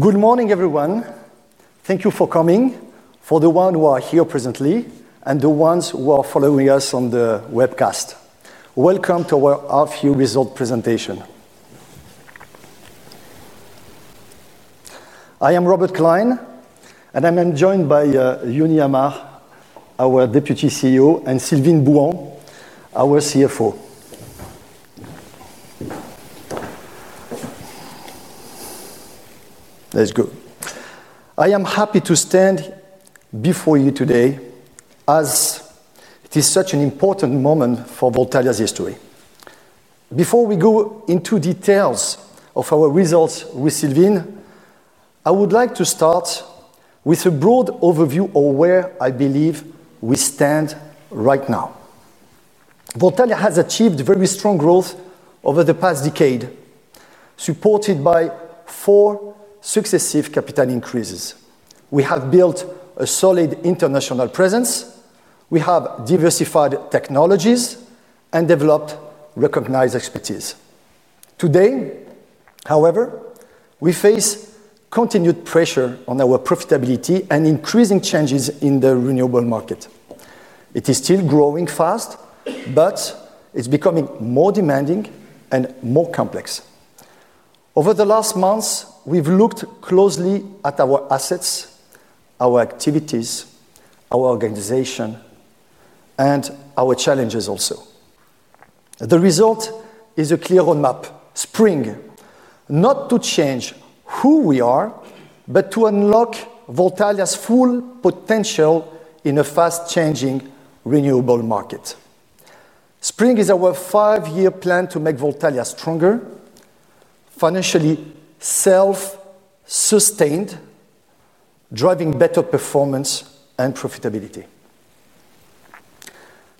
Good morning, everyone. Thank you for coming for the one who are here presently and the ones who are following us on the webcast. Welcome to our half year results presentation. I am Robert Klein, and I'm joined by Yuni Ammar, our Deputy CEO and Sylvain Bouon, our CFO. Let's go. I am happy to stand before you today as it is such an important moment for Voltalya's history. Before we go into details of our results with Sylvain, I would like to start with a broad overview of where I believe we stand right now. Vortal has achieved very strong growth over the past decade, supported by four successive capital increases. We have built a solid international presence. We have diversified technologies and developed recognized expertise. Today, however, we face continued pressure on our profitability and increasing changes in the renewable market. It is still growing fast, but it's becoming more demanding and more complex. Over the last months, we've looked closely at our assets, our activities, our organization and our challenges also. The result is a clear roadmap, Spring, not to change who we are, but to unlock Voltalia's full potential in a fast changing renewable market. Spring is our five year plan to make Voltalia stronger, financially self sustained, driving better performance and profitability.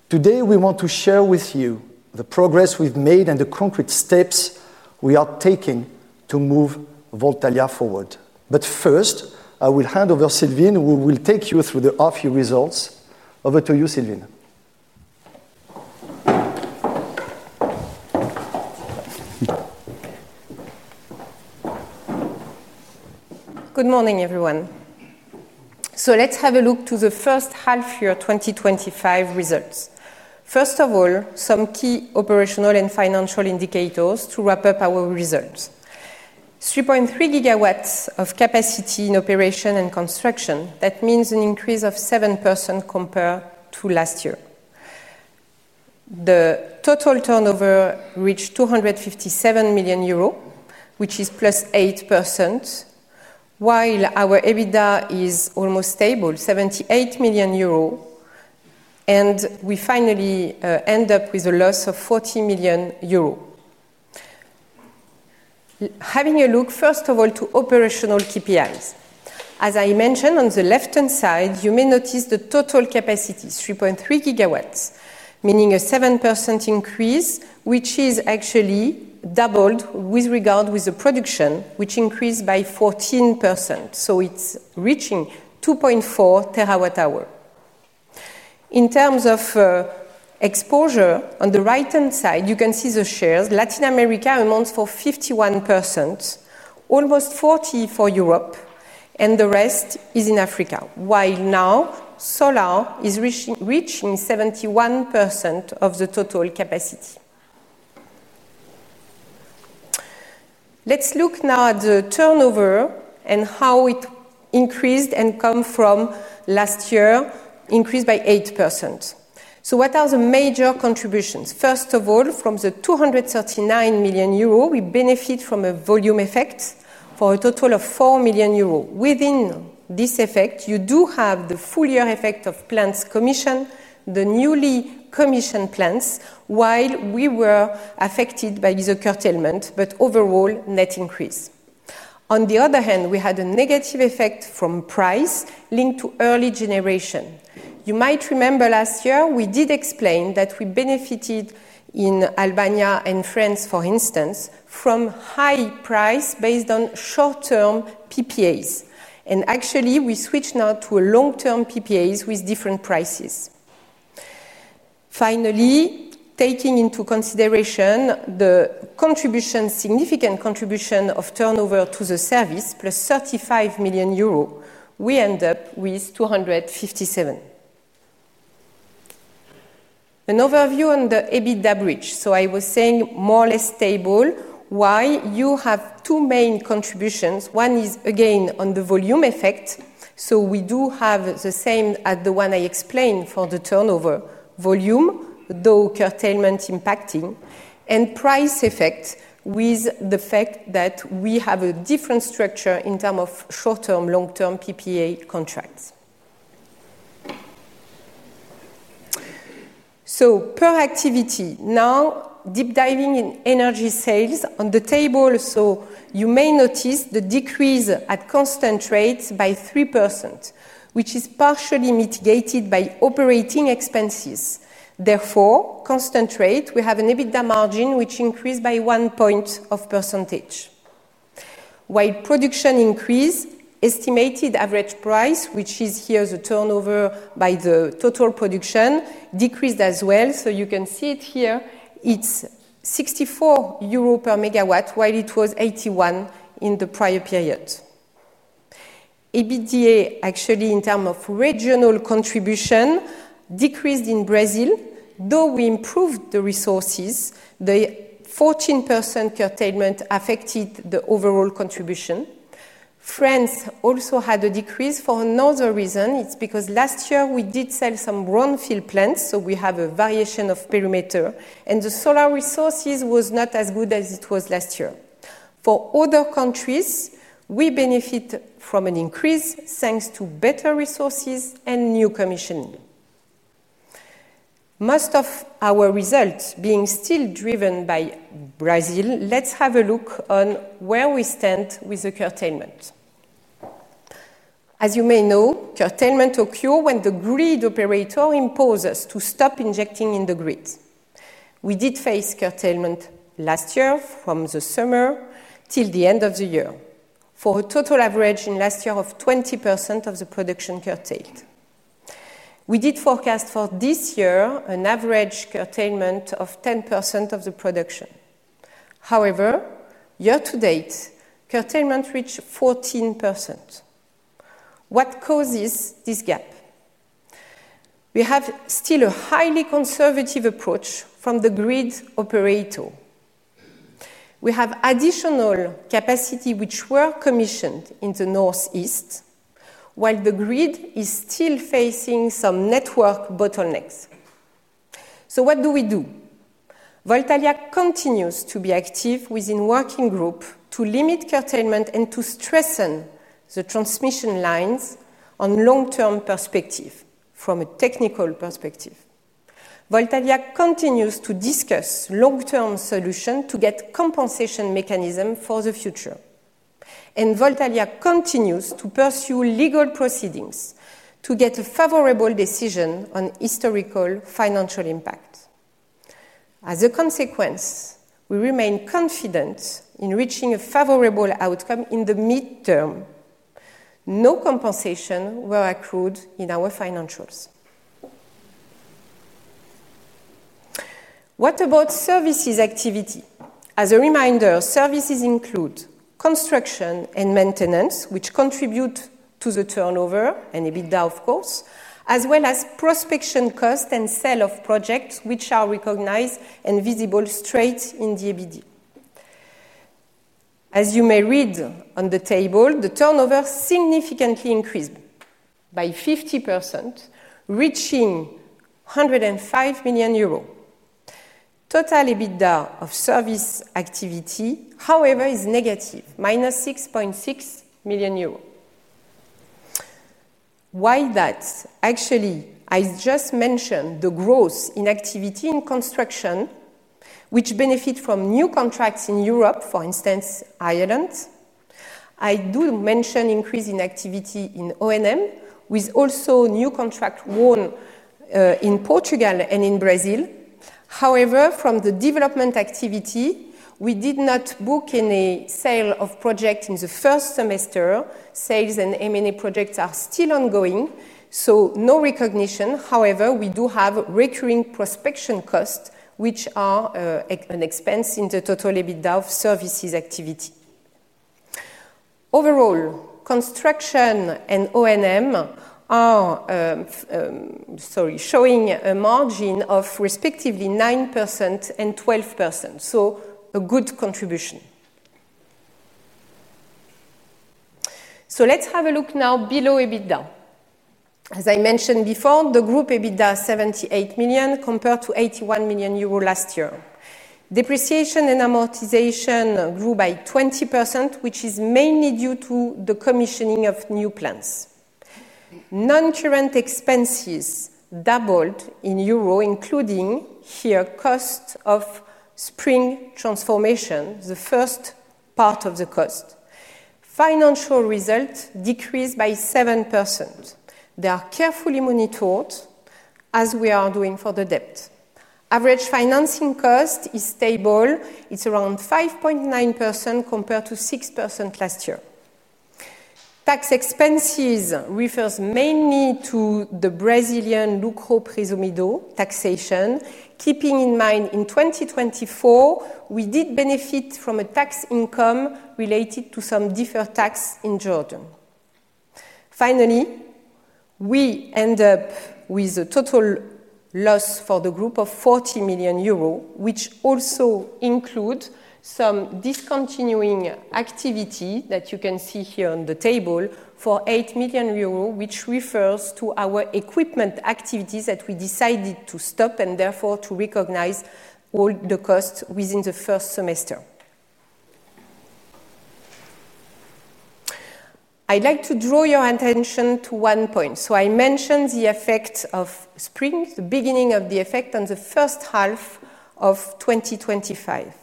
Today, we want to share with you the progress we've made and the concrete steps we are taking to move Voltalia forward. But first, I will hand over Sylvain, who will take you through the half year results. Over to you, Sylvain. Good morning, everyone. So let's have a look to the first half year twenty twenty five results. First of all, some key operational and financial indicators to wrap up our results. 3.3 gigawatts of capacity in operation and construction, that means an increase of 7% compared to last year. The total turnover reached EUR $257,000,000, which is plus 8%, while our EBITDA is almost stable, 78,000,000 euros. And we finally end up with a loss of 40,000,000 euros. Having a look, first of all, to operational KPIs. As I mentioned, on the left hand side, you may notice the total capacity is 3.3 gigawatts, meaning a 7% increase, which is actually doubled with regard with the production, which increased by 14%. So it's reaching 2.4 terawatt hour. In terms of exposure, on the right hand side, you can see the shares. Latin America amounts for 51%, almost 40% for Europe, and the rest is in Africa, while now solar is reaching 71% of the total capacity. Let's look now at the turnover and how it increased and come from last year, increased by 8%. So what are the major contributions? First of all, from the EUR $239,000,000, we benefit from a volume effect for a total of 4,000,000 euro. Within this effect, you do have the full year effect of plants commission, the newly commissioned plants, while we were affected by the curtailment, but overall, net increase. On the other hand, we had a negative effect from price linked to early generation. You might remember last year, we did explain that we benefited in Albania and France, for instance, from high price based on short term PPAs. And actually, we switched now to long term PPAs with different prices. Finally, taking into consideration the contribution significant contribution of turnover to the service, plus 35,000,000 euro, we end up with EUR $257,000,000. An overview on the EBITDA bridge. So I was saying more or less stable. Why? You have two main contributions. One is, again, on the volume effect. So we do have the same as the one I explained for the turnover volume, though curtailment impacting and price effect with the fact that we have a different structure in term of short term, long term PPA contracts. So per activity, now deep diving in energy sales on the table. So you may notice the decrease at constant rates by 3%, which is partially mitigated by operating expenses. Therefore, constant rate, we have an EBITDA margin, which increased by one point of percentage. While production increased, estimated average price, which is here the turnover by the total production, decreased as well. So you can see it here, it's 64 euro per megawatt, while it was 81 in the prior period. EBITDA actually in term of regional contribution decreased in Brazil, though we improved the resources, the 14% curtailment affected the overall contribution. France also had a decrease for another reason. It's because last year, we did sell some brownfield plants, so we have a variation of perimeter. And the solar resources was not as good as it was last year. For other countries, we benefit from an increase, thanks to better resources and new commission. Most of our results being still driven by Brazil, let's have a look on where we stand with the curtailment. As you may know, curtailment occur when the grid operator imposes to stop injecting in the grids. We did face curtailment last year from the summer till the end of the year for a total average in last year of 20% of the production curtailed. We did forecast for this year an average curtailment of 10% of the production. However, year to date, curtailment reached 14%. What causes this gap? We have still a highly conservative approach from the grid operator. We have additional capacity which were commissioned in the Northeast, while the grid is still facing some network bottlenecks. So what do we do? Voltalya continues to be active within working group to limit curtailment and to stressen the transmission lines on long term perspective from a technical perspective. Voltalya continues to discuss long term solution to get compensation mechanism for the future. And Voltalya continues to pursue legal proceedings to get a favorable decision on historical financial impact. As a consequence, we remain confident in reaching a favorable outcome in the midterm. No compensation were accrued in our financials. What about services activity? As a reminder, services include construction and maintenance, which contribute to the turnover and EBITDA, of course, as well as prospection cost and sale of projects, which are recognized and visible straight in the EBITDA. As you may read on the table, the turnover significantly increased by 50%, reaching 105,000,000 euros. Total EBITDA of service activity, however, is negative, minus 6,600,000.0 euros. Why that? Actually, I just mentioned the growth activity in construction, which benefit from new contracts in Europe, for instance, Ireland. I do mention increasing activity in O and M with also new contract won in Portugal and in Brazil. However, from the development activity, we did not book any sale of projects in the first semester. Sales and M and A projects are still ongoing, so no recognition. However, we do have recurring prospection costs, which are an expense in the total EBITDA of services activity. Overall, construction and O and M are sorry, showing a margin of respectively 912%, so a good contribution. So let's have a look now below EBITDA. As I mentioned before, the group EBITDA, million compared to GBP 81,000,000 last year. Depreciation and amortization grew by 20%, which is mainly due to the commissioning of new plants. Noncurrent expenses doubled in euro, including here cost of spring transformation, the first part of the cost. Financial results decreased by 7%. They are carefully monitored as we are doing for the debt. Average financing cost is stable. It's around 5.9 compared to 6% last year. Tax expenses refers mainly to the Brazilian luco prismido taxation, keeping in mind, in 2024, we did benefit from a tax income related to some deferred tax in Jordan. Finally, we end up with a total loss for the group of 40,000,000 euros, which also include some discontinuing activity that you can see here on the table for 8,000,000 euros, which refers to our equipment activities that we decided to stop and therefore to recognize all the costs within the first semester. I'd like to draw your attention to one point. So I mentioned the effect of spring, the beginning of the effect on the 2025.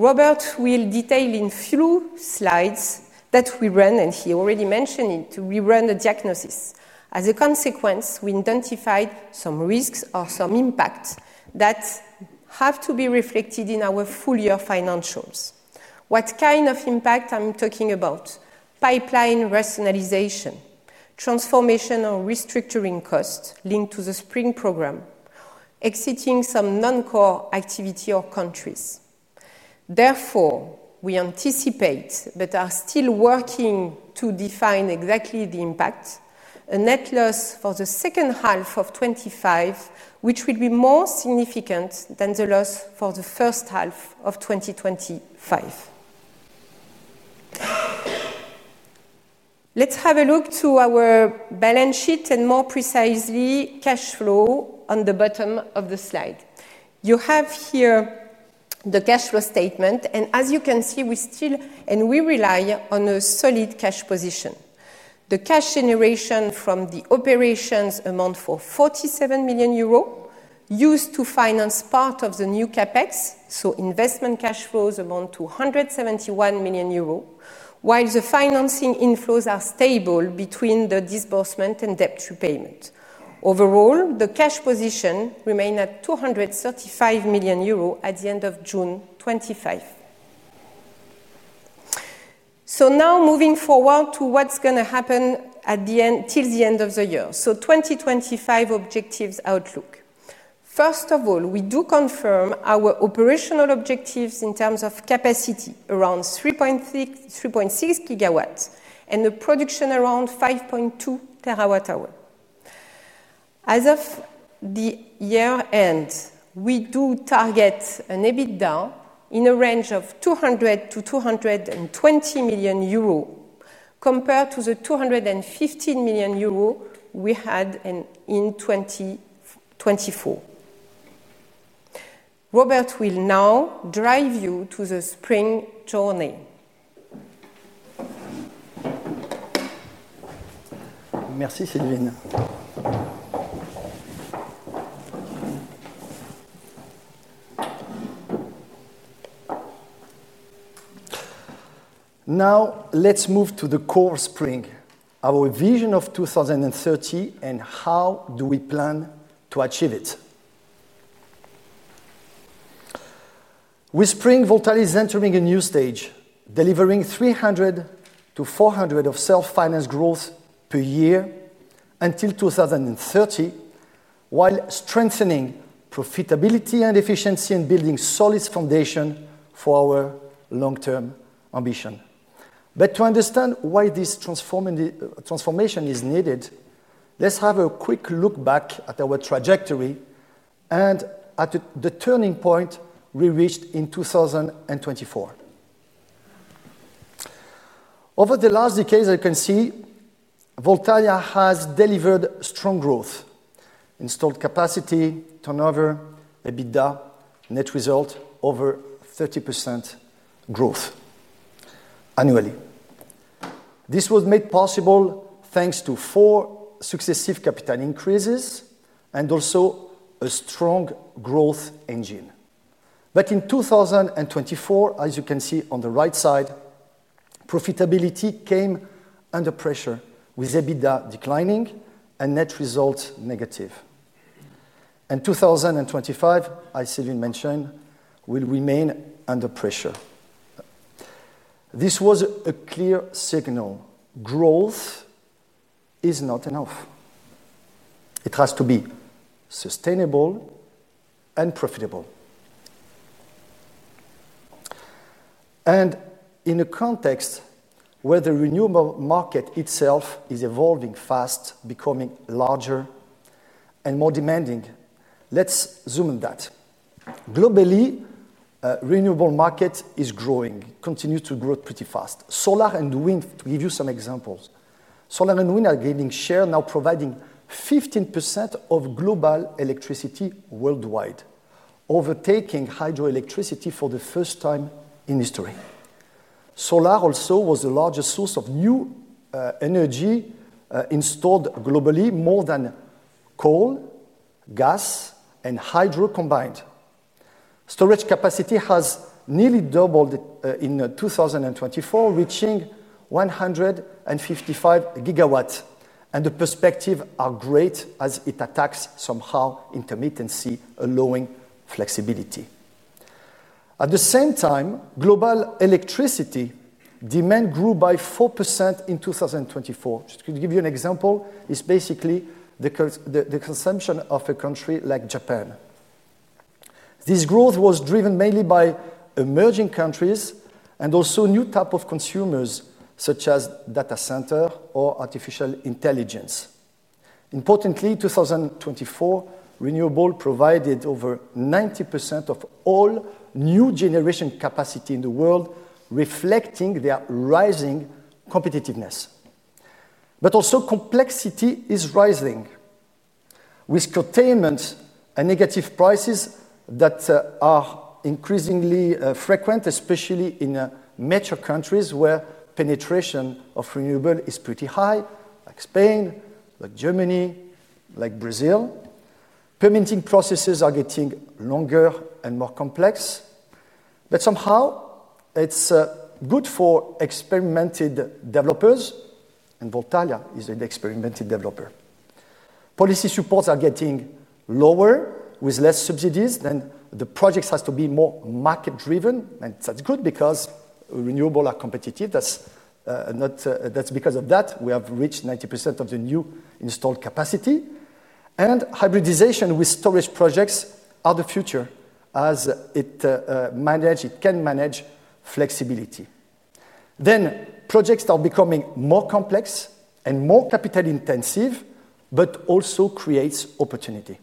Robert will detail in few slides that we run, and he already mentioned it, we run the diagnosis. As a consequence, we identified some risks or some impacts that have to be reflected in our full year financials. What kind of impact I'm talking about? Pipeline rationalization, transformation or restructuring costs linked to the spring program, exiting some noncore activity or countries. Therefore, we anticipate but are still working to define exactly the impact, a net loss for the 2025, which will be more significant than the loss for the 2025. Let's have a look to our balance sheet and more precisely, cash flow on the bottom of the slide. You have here the cash flow statement. And as you can see, we still and we rely on a solid cash position. The cash generation from the operations amount for 47,000,000 euros used to finance part of the new CapEx. So investment cash flows amount to €171,000,000 while the financing inflows are stable between the disbursement and debt repayment. Overall, the cash position remained at €235,000,000 at the June '25. So now moving forward to what's going to happen the end till the end of the year. So 2025 objectives outlook. First of all, we do confirm our operational objectives in terms of capacity around 3.6 gigawatts and the production around 5.2 terawatt hour. As of the year end, we do target an EBITDA in the range of 200,000,000 to EUR $220,000,000 compared to the EUR $215,000,000 we had in 2024. Robert will now drive you to the spring journey. Now let's move to the core spring, our vision of 2030 and how do we plan to achieve it. With Spring, VOLTAL is entering a new stage, delivering three hundred four hundred of self financed growth per year until 02/1930, while strengthening profitability and efficiency and building solid foundation for our long term ambition. But to understand why this transformation is needed, let's have a quick look back at our trajectory and at the turning point we reached in 2024. Over the last decade, as you can see, Voltaria has delivered strong growth, installed capacity, turnover, EBITDA, net result over 30% growth annually. This was made possible thanks to four successive capital increases and also a strong growth engine. But in 2024, as you can see on the right side, profitability came under pressure with EBITDA declining and net result negative. And 2025, as Sylvain mentioned, will remain under pressure. This was a clear signal. Growth is not enough. It has to be sustainable and profitable. And in a context context where the renewable market itself is evolving fast, becoming larger and more demanding, let's zoom in that. Globally, renewable market is growing, continues to grow pretty fast. Solar and wind, to give you some examples. Solar and wind are gaining share now providing 15% of global electricity worldwide, overtaking hydroelectricity for the first time in history. Solar also was the largest source of new energy installed globally more than coal, gas and hydro combined. Storage capacity has nearly doubled in 2024, reaching 155 gigawatt, and the perspective are great as it attacks somehow intermittency allowing flexibility. At the same time, global electricity demand grew by 4% in 2024. Just to give you an example, it's basically the consumption of a country like Japan. This growth was driven mainly by emerging countries and also new type of consumers such as data center or artificial intelligence. Importantly, 2024, renewable provided over 90% of all new generation capacity in the world, reflecting their rising competitiveness. But also complexity is rising. With curtailment and negative prices that are increasingly frequent, especially in major countries where penetration of renewable is pretty high, like Spain, like Germany, like Brazil. Permitting processes are getting longer and more complex, but somehow it's good for experimented developers and Vortalia is an experimented developer. Policy supports are getting lower with less subsidies, then the projects has to be more market driven, and that's good because renewable are competitive, that's because of that, we have reached 90% of the new installed capacity. And hybridization with storage projects are the future as it manage it can manage flexibility. Then projects are becoming more complex and more capital intensive, but also creates opportunity.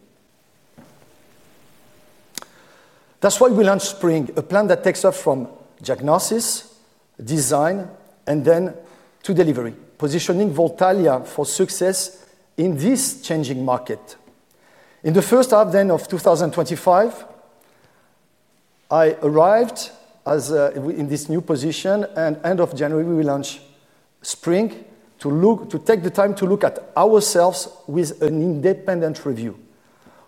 That's why we launched Spring, a plan that takes off from diagnosis, design and then to delivery, positioning Votala for success in this changing market. In the first half then of 2025, I arrived as in this new position and January, we will launch Spring to look to take the time to look at ourselves with an independent review.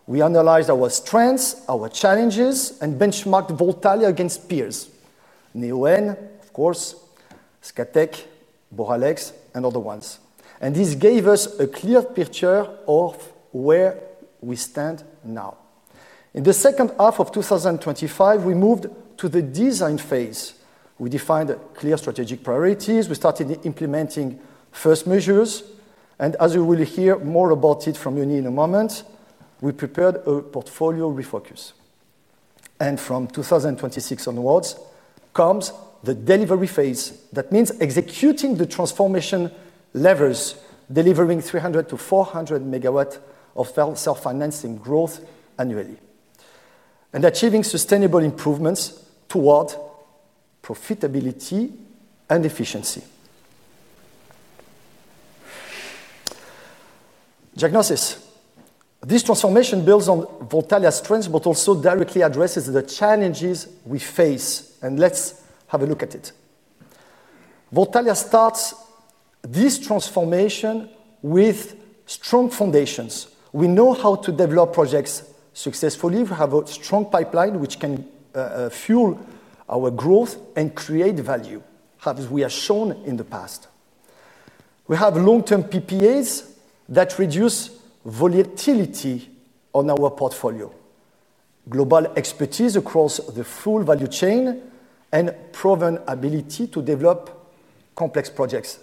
We analyzed our strengths, our challenges and benchmarked Voltage against peers, Niohene, of course, SCATEC, Boralex and other ones. And this gave us a clear picture of where we stand now. In the second half of twenty twenty five, we moved to the design phase. We defined clear strategic priorities. We started implementing first measures. And as you will hear more about it from Yuni in a moment, we prepared a portfolio refocus. And from 2026 onwards comes the delivery phase, that means executing the transformation levers delivering 300 to 400 megawatt of self financing growth annually, and achieving sustainable improvements toward profitability and efficiency. Diagnosis. This transformation builds on Voltalya's strengths, but also directly addresses the challenges we face. And let's have a look at it. Voltalya starts this transformation with strong foundations. We know how to develop projects successfully. We have a strong pipeline, which can fuel our growth and create value, as we have shown in the past. We have long term PPAs that reduce volatility on our portfolio, global expertise across the full value chain and proven ability to develop complex projects.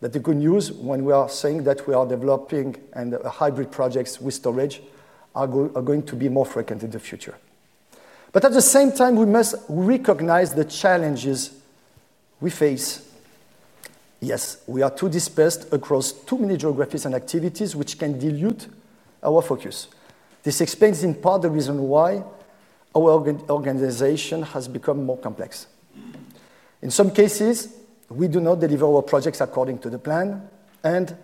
That's the good news when we are saying that we are developing and hybrid projects with storage are going to be more frequent in the future. But at the same time, we must recognize the challenges we face. Yes, we are too dispersed across too many geographies and activities, which can dilute our focus. This explains in part the reason why our organization has become more complex. In some cases, we do not deliver our projects according to the plan and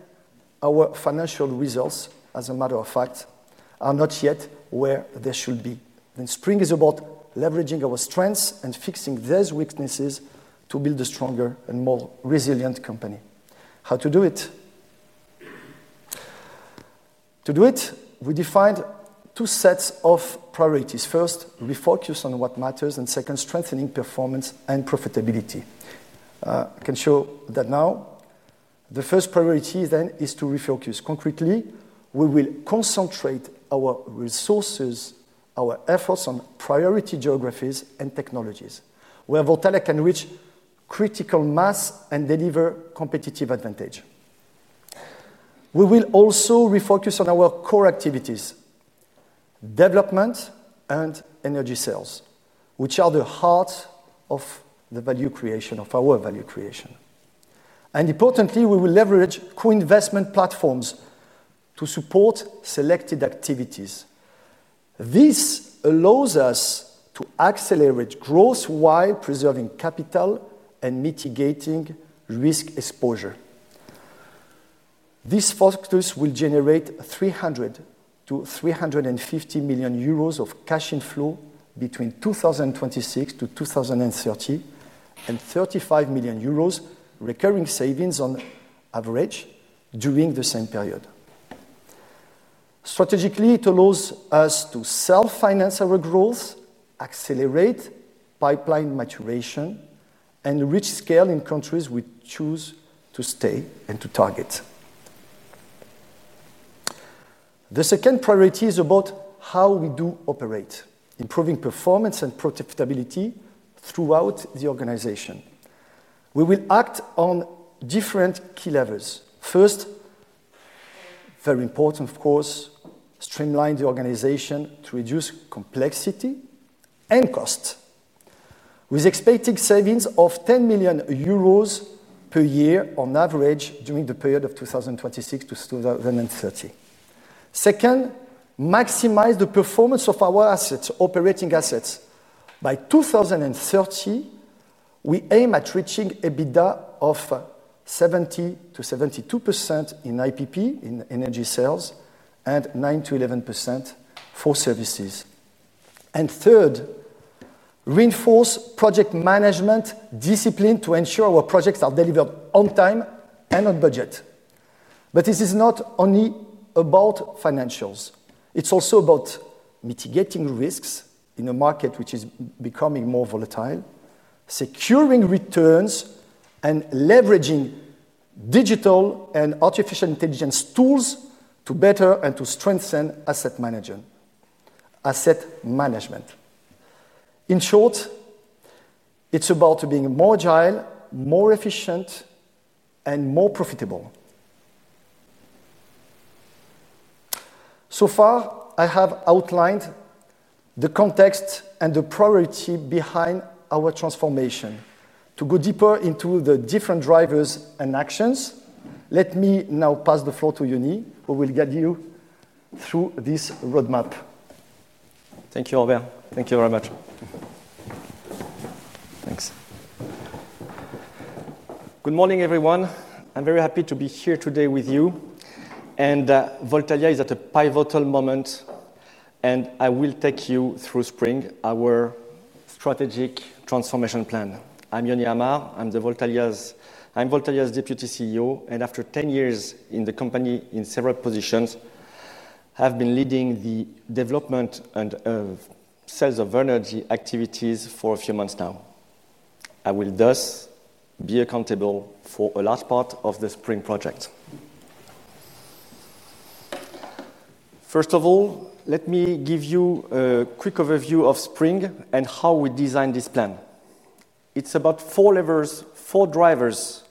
our financial results, as a matter of fact, are not yet where they should be. And Spring is about leveraging our strengths and fixing those weaknesses to build a stronger and more resilient company. How to do it? To do it, we defined two sets of priorities. First, refocus on what matters and second, strengthening performance and profitability. I can show that now. The first priority then is to refocus concretely. We will concentrate our resources, our efforts on priority geographies and technologies, where Vortela can reach critical mass and deliver competitive advantage. We will also refocus on our core activities, development and energy sales, which are the heart of the value creation of our value creation. And importantly, we will leverage co investment platforms to support selected activities. This allows us to to accelerate growth while preserving capital and mitigating risk exposure. This focus will generate 300,000,000 to €350,000,000 of cash inflow between 2026 to 2000 and 30 and €35,000,000 recurring savings on average during the same period. Strategically, it allows us to self finance our growth, accelerate pipeline maturation and reach scale in countries we choose to stay and to target. The second priority is about how we do operate, improving performance and profitability throughout streamline the organization to reduce complexity and cost, with expected savings of 10 million euros per year on average during the period of 2026 to 02/1930. Second, maximize the performance of our assets, operating assets. By 02/1930, we aim at reaching EBITDA of 70% to 72% in IPP, in energy sales, and 9% to 11% for services. And third, reinforce project management discipline to ensure our projects are delivered on time and on budget. But this is not only about financials, it's also about mitigating risks in a market which is becoming more volatile, securing returns and leveraging digital and artificial intelligence tools to better and to strengthen asset management. In short, it's about being more agile, more efficient and more profitable. So far, I have outlined the context and the priority behind our transformation. To go deeper into the different drivers actions, let me now pass the floor to Yuni, who will get you through this roadmap. Thank you, Robert. Thank you very much. Thanks. Good morning, everyone. I'm very happy to be here today with you and, Voltalya is at a pivotal moment and I will take you through spring, our strategic transformation plan. I'm Joni Amar, I'm Voltalya's I'm Voltalya's Deputy CEO and after ten years in the company in several positions have been leading the development and sales of energy activities for a few months now. I will thus be accountable for a last part of the Spring project. First of all, let me give you a quick overview of Spring and how we designed this plan. It's about four levers, four drivers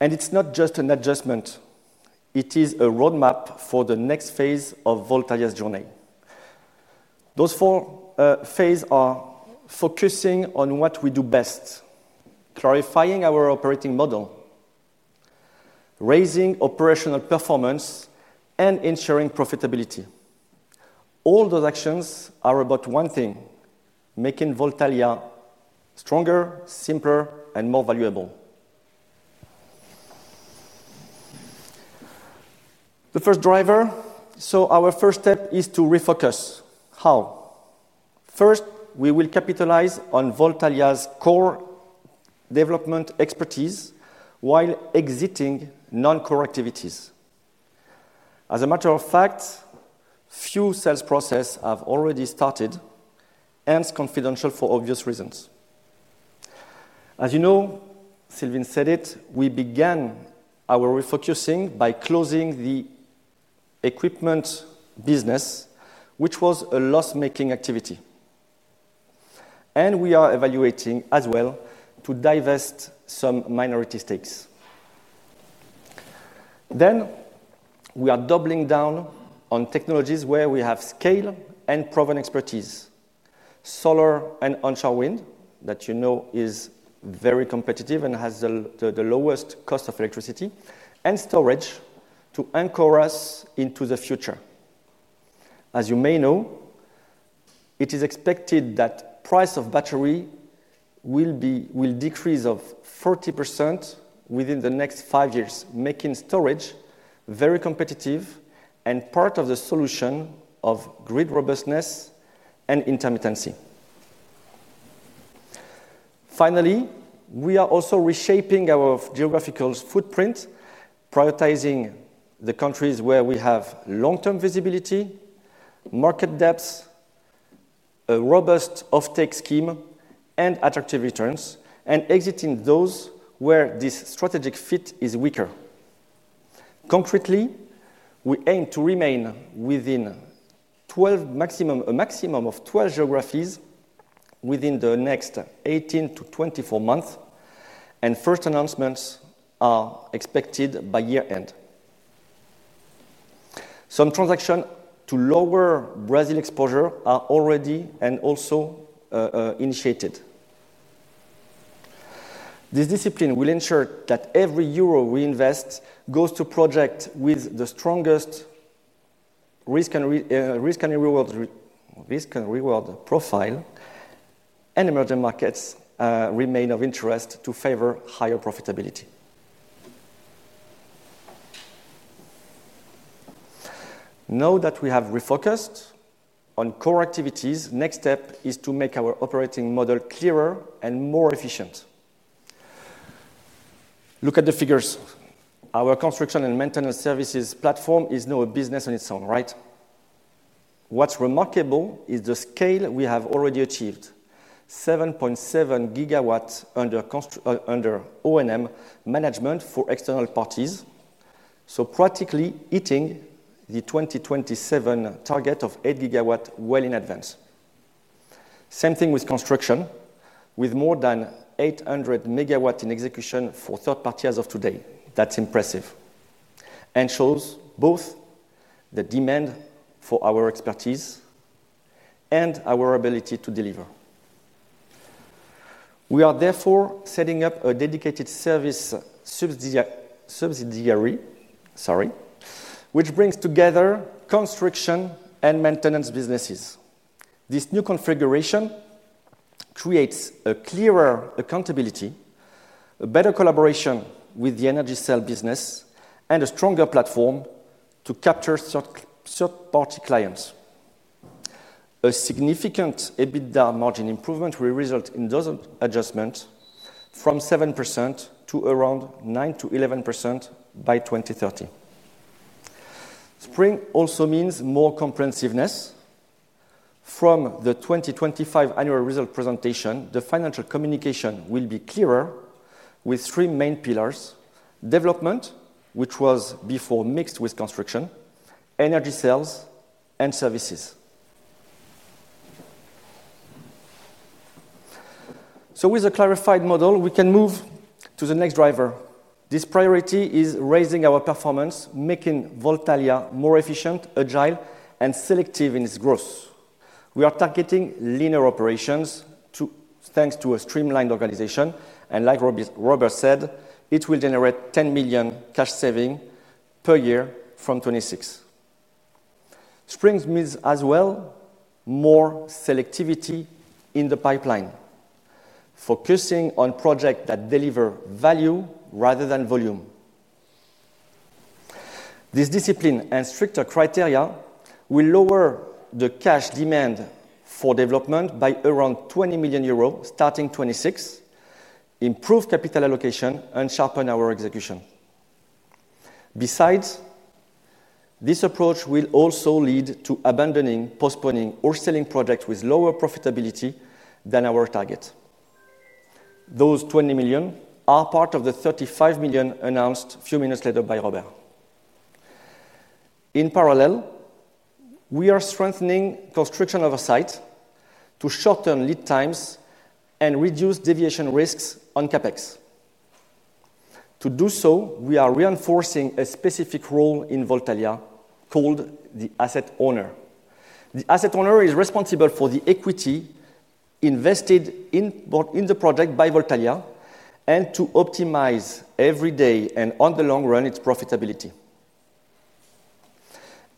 and it's not just an adjustment, it is a roadmap for the next phase of Voltaria's journey. Those four phase are focusing on what we do best, clarifying our operating model, raising operational performance and ensuring profitability. All those actions are about one thing, making Voltalia stronger, simpler and more valuable. The first driver, so our first step is to refocus. How? First, we will capitalize on Voltalia's core development expertise while exiting non core activities. As a matter of fact, few sales process have already started and is confidential for obvious reasons. As you know, Sylvain said it, we began our refocusing by closing the equipment business, which was a loss making activity. Evaluating as well to divest some minority stakes. Then we are doubling down on technologies where we have scale and proven expertise, solar and onshore wind that you know is very competitive and has the lowest cost of electricity and storage to anchor us into the future. As you may know, it is expected that price of battery will decrease of 40% within the next five years, making storage very competitive and part of the solution of grid robustness and intermittency. Finally, we are also reshaping our geographical footprint, prioritizing the countries where we have long term visibility, market depths, a robust off take scheme and attractive returns and exiting those where this strategic fit is weaker. Concretely, we aim to remain within 12 maximum a maximum of 12 geographies within the next eighteen to twenty four months and first announcements are expected by year end. Some transaction to lower Brazil exposure are already and also initiated. This discipline will ensure that every euro we invest goes to project with the strongest risk and reward profile and emerging markets remain of interest to favor higher profitability. Now that we have refocused on core activities, next step is to make our operating model clearer and more efficient. Look at the figures, our construction and maintenance services platform is now a business on its own, right? What's remarkable is the scale we have already achieved, 7.7 gigawatts under O and M management for external parties. So practically hitting the 2027 target of eight gigawatt well in advance. Same thing with construction, with more than 800 megawatt in execution That's impressive and shows both the demand for our expertise and our ability to deliver. We are therefore setting up a dedicated service subsidiary, which brings together construction and maintenance businesses. This new configuration creates a clearer accountability, a better collaboration with the Energy Cell business and a stronger platform to capture third party clients. A significant EBITDA margin improvement will result in those adjustments from 7% to around 9% to 11% by 02/1930. Spring also means more comprehensiveness. From the 2025 annual result presentation, the financial communication will be clearer with three main pillars, development, which was before mixed with construction, energy sales and services. So with a clarified model, can move to the next driver. This priority is raising our performance, making Voltalia more efficient, agile and selective in its growth. We are targeting leaner operations thanks to a streamlined organization and like Robert said, it will generate £10,000,000 cash saving per year from '26. Springs means as well more selectivity in the pipeline, focusing on project that deliver value rather than volume. This discipline and stricter criteria will lower the cash demand for development by around €20,000,000 starting 2026, improve capital allocation and sharpen our execution. Besides, this approach will also lead to abandoning, postponing or selling projects with lower profitability than our target. Those 20,000,000 are part of the 35,000,000 announced few minutes later by Robert. Robert. In parallel, we are strengthening construction of our sites to shorten lead times and reduce deviation risks on CapEx. To do so, we are reinforcing specific role in Voltalya called the asset owner. The asset owner is responsible for the equity invested the project by Voltalya and to optimize every day and on the long run its profitability.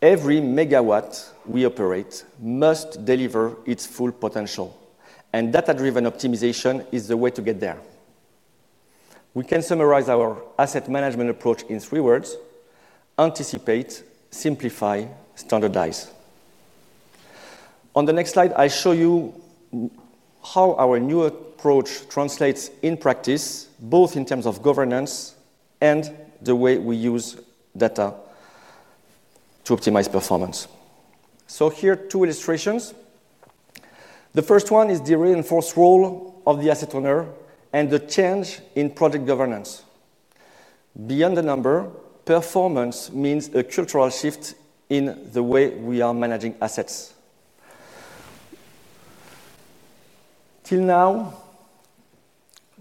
Every megawatt we operate must deliver its full potential and data driven optimization is the way to get there. We can summarize our asset management approach in three words, anticipate, simplify, standardize. On the next slide, I show you how our new approach translates in practice both in terms of governance and the way we use data to optimize performance. So here two illustrations. The first one is the reinforced role of the asset owner and the change in project governance. Beyond the number, performance means a cultural shift in the way we are managing assets. Till now,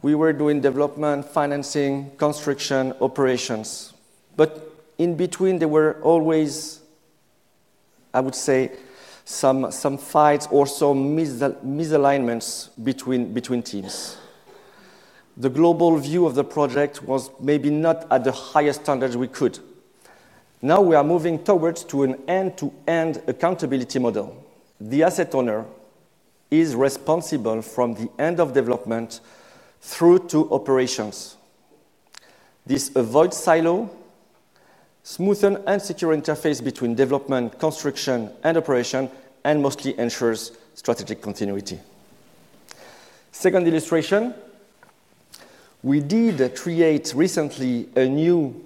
we were doing development, financing, construction, operations, but in between there were always, I would say, some some fights or some misalignments between between teams. The global view of the project was maybe not at the highest standards we could. Now we are moving towards to an end to end accountability model. The asset owner is responsible from the end of development through to operations. This avoid silo, smoothen and secure interface between development, construction and operation and mostly ensures strategic continuity. Second illustration, we did create recently a new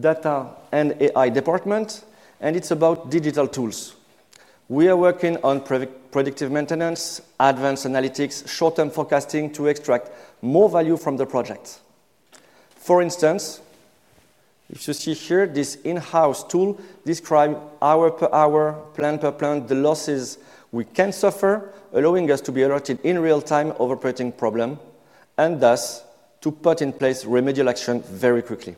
data and AI department and it's about digital tools. We are working on predictive maintenance, advanced analytics, short term forecasting to extract more value from the projects. For instance, if you see here this in house tool describe hour per hour, plant per plant, the losses we can suffer, allowing us to be alerted in real time of operating problem and thus to put in place remedial action very quickly.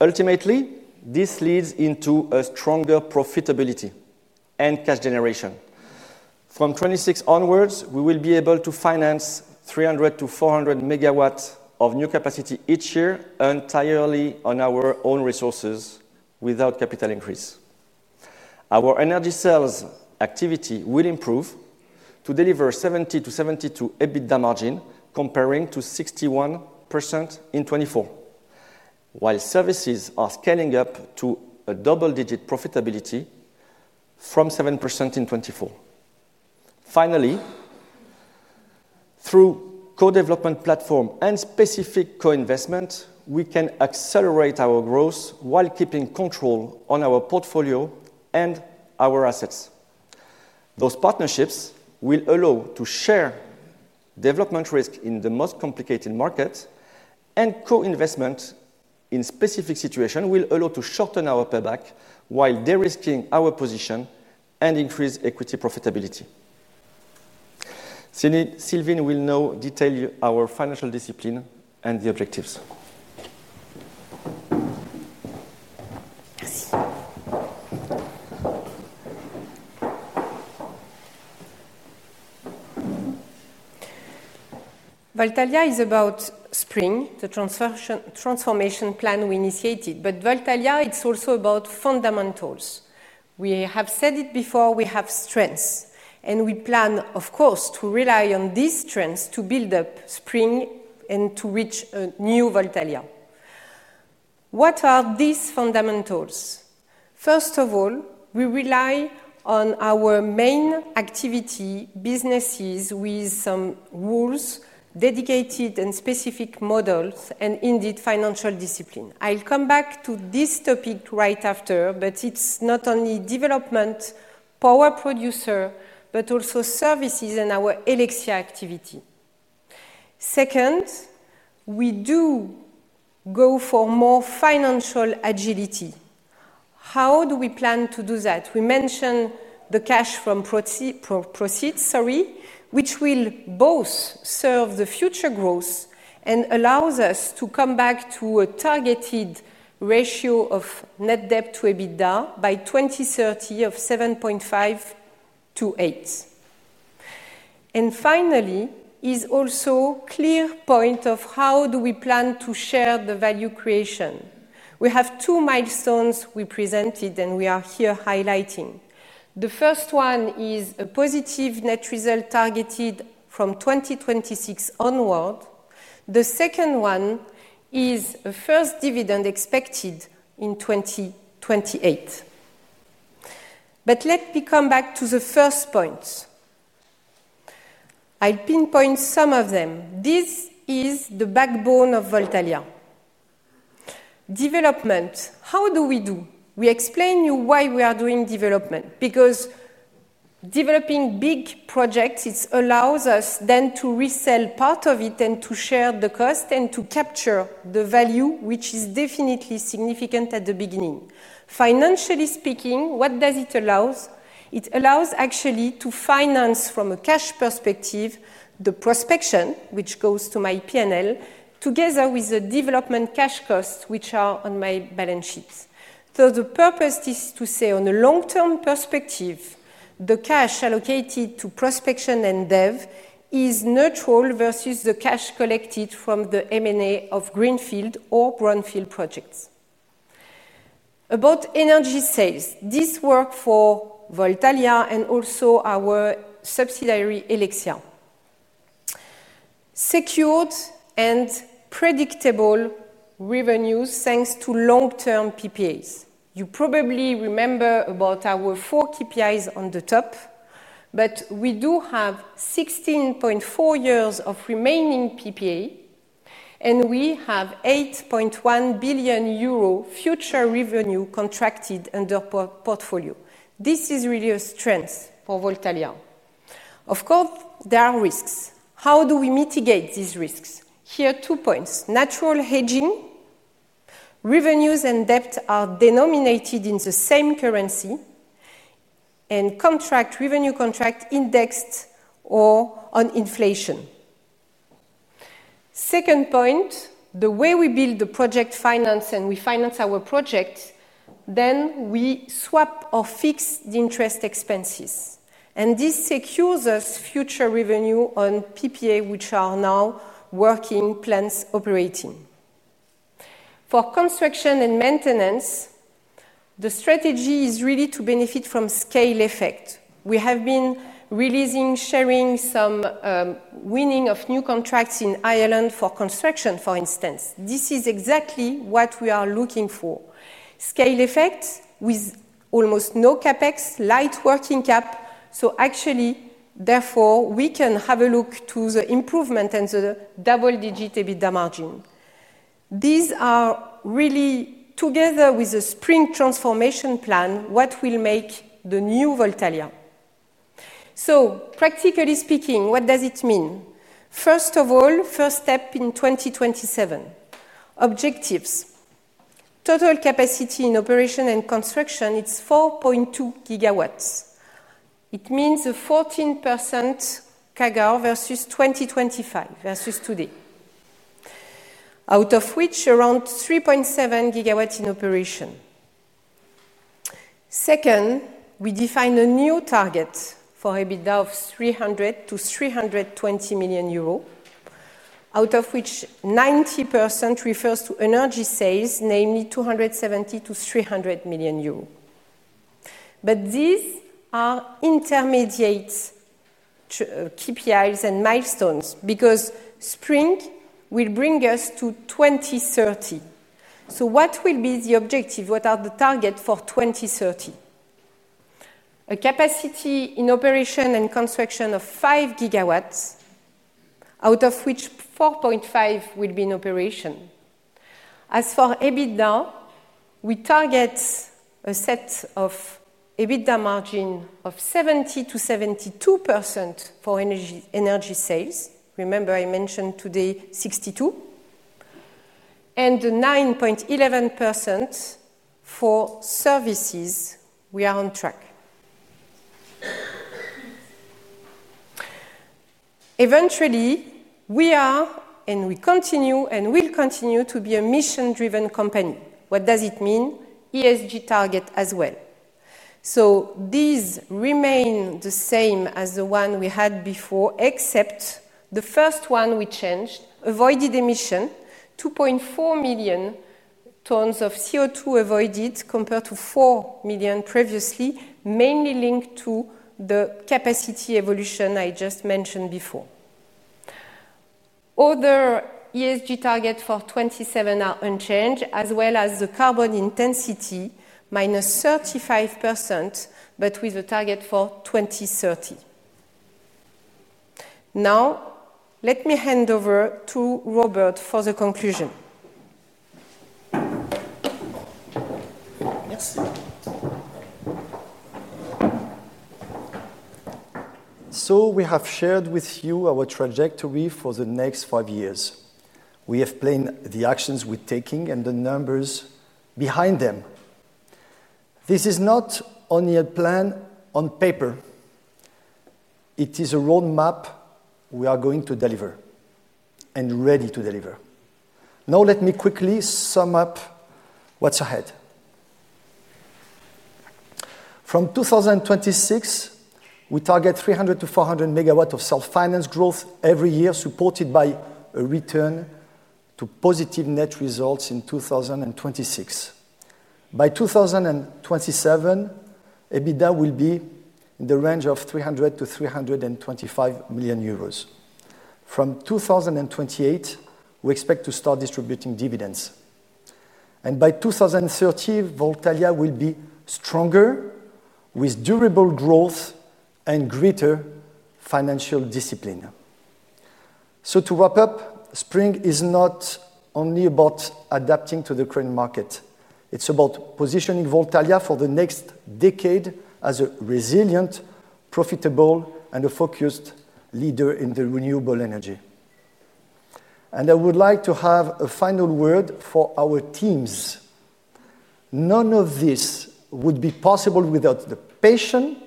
Ultimately, this leads into a stronger profitability and cash generation. From 2026 onwards, we will be able to finance 300 to 400 megawatt of new capacity each year entirely on our own resources without capital increase. Our energy sales activity will improve to deliver 70% to 72% EBITDA margin comparing to 6061% in 2024, while services are scaling up to a double digit profitability from 7% in 2024. Finally, through co development platform and specific co investment, we can accelerate our growth while keeping control on our portfolio and our assets. Those partnerships will allow to share development risk in the most complicated markets and co investment in specific situation will allow to shorten our payback while derisking our position and increase equity profitability. Sylvain will now detail our financial discipline and the objectives. Valtalia is about spring, the transformation plan we initiated. But Valtalia, it's also about fundamentals. We have said it before, we have strengths. And we plan, of course, to rely on these strengths to build up spring and to reach a new Voltalia. What are these fundamentals? First of all, we rely on our main activity businesses with some rules, dedicated and specific models and indeed financial discipline. I'll come back to this topic right after, but it's not only development, power producer, but also services and our Elektra activity. Second, we do go for more financial agility. How do we plan to do that? We mentioned the cash from proceeds, sorry, which will both serve the future growth and allows us to come back to a targeted ratio of net debt to EBITDA by 2030 of 07/1928. And finally, is also clear point of how do we plan to share the value creation. We have two milestones we presented and we are here highlighting. The first one is a positive net result targeted from 2026 onward. The second one is a first dividend expected in 2028. But let me come back to the first point. I pinpoint some of them. This is the backbone of Voltalya. Development, how do we do? We explain you why we are doing development. Because developing big projects, it allows us then to resell part of it and to share the cost and to capture the value, which is definitely significant at the beginning. Financially speaking, what does it allow? It allows actually to finance from a cash perspective the prospection, which goes to my P and L, together with the development cash costs, which are on my balance sheet. So the purpose is to say on a long term perspective, the cash allocated to Prospection and Dev is neutral versus the cash collected from the M and A of greenfield or greenfield projects. About energy sales, this work for Voltalya and also our subsidiary, Alexia. Secured and predictable revenues, thanks to long term PPAs. You probably remember about our four KPIs on the top, but we do have sixteen point four years of remaining PPA, and we have 8,100,000,000.0 euro future revenue contracted under portfolio. This is really a strength for Voltalyard. Of course, there are risks. How do we mitigate these risks? Here, two points. Natural hedging, revenues and debt are denominated in the same currency and contract, revenue contract indexed or on inflation. Second point, the way we build the project finance and we finance our project, then we swap or fix the interest expenses. And this secures us future revenue on PPA, which are now working plants operating. For construction and maintenance, the strategy is really to benefit from scale effect. We have been releasing, sharing some winning of new contracts in Ireland for construction, for instance. This is exactly what we are looking for. Scale effect with almost no CapEx, light working cap. So actually, therefore, we can have a look to the improvement and to the double digit EBITDA margin. These are really together with the spring transformation plan, what will make the new VOLTALIA. So practically speaking, what does it mean? First of all, first step in 2027, objectives. Total capacity in operation and construction, it's 4.2 gigawatts. It means a 14% CAGR versus 2025 versus today, out of which around 3.7 gigawatts in operation. Second, we define a new target for EBITDA of 300,000,000 to EUR $320,000,000, out of which 90% refers to energy sales, namely $270,000,000 to €300,000,000 But these are intermediate KPIs and milestones because spring will bring us to 02/1930. So what will be the objective? What are the targets for 02/1930? A capacity in operation and construction of five gigawatts, out of which 4.5 will be in operation. As for EBITDA, we target a set of EBITDA margin of 70% to 72% for energy sales. Remember, I mentioned today, two. And 9.11% for services, we are on track. Eventually, we are and we continue and will continue to be a mission driven company. What does it mean? ESG target as well. So these remain the same as the one we had before, except the first one we changed avoided emission, 2,400,000 tons of CO2 avoided compared to 4,000,000 previously, mainly linked to the capacity evolution I just mentioned before. Other ESG target for 2027 are unchanged as well as the carbon intensity, minus 35%, but with a target for thousand and thirty. Now let me hand over to Robert for the conclusion. So we have shared with you our trajectory for the next five years. We have planned the actions we're taking and the numbers behind them. This is not only a plan on paper. It is a road map we are going to deliver and ready to deliver. Now let me quickly sum up what's ahead. From 2026, we target 300 to 400 megawatt of self financed growth every year supported by a return to positive net results in 2026. By 2027, EBITDA will be in the range of 300,000,000 to €325,000,000 From 2028, we expect to start distributing dividends. And by 02/1930, Voltalya will be stronger with durable growth and greater financial discipline. So to wrap up, Spring is not only about adapting to the current market. It's about positioning Vontalia for the next decade as a resilient, profitable and a focused leader in the renewable energy. And I would like to have a final word for our teams. None of this would be possible without the patient,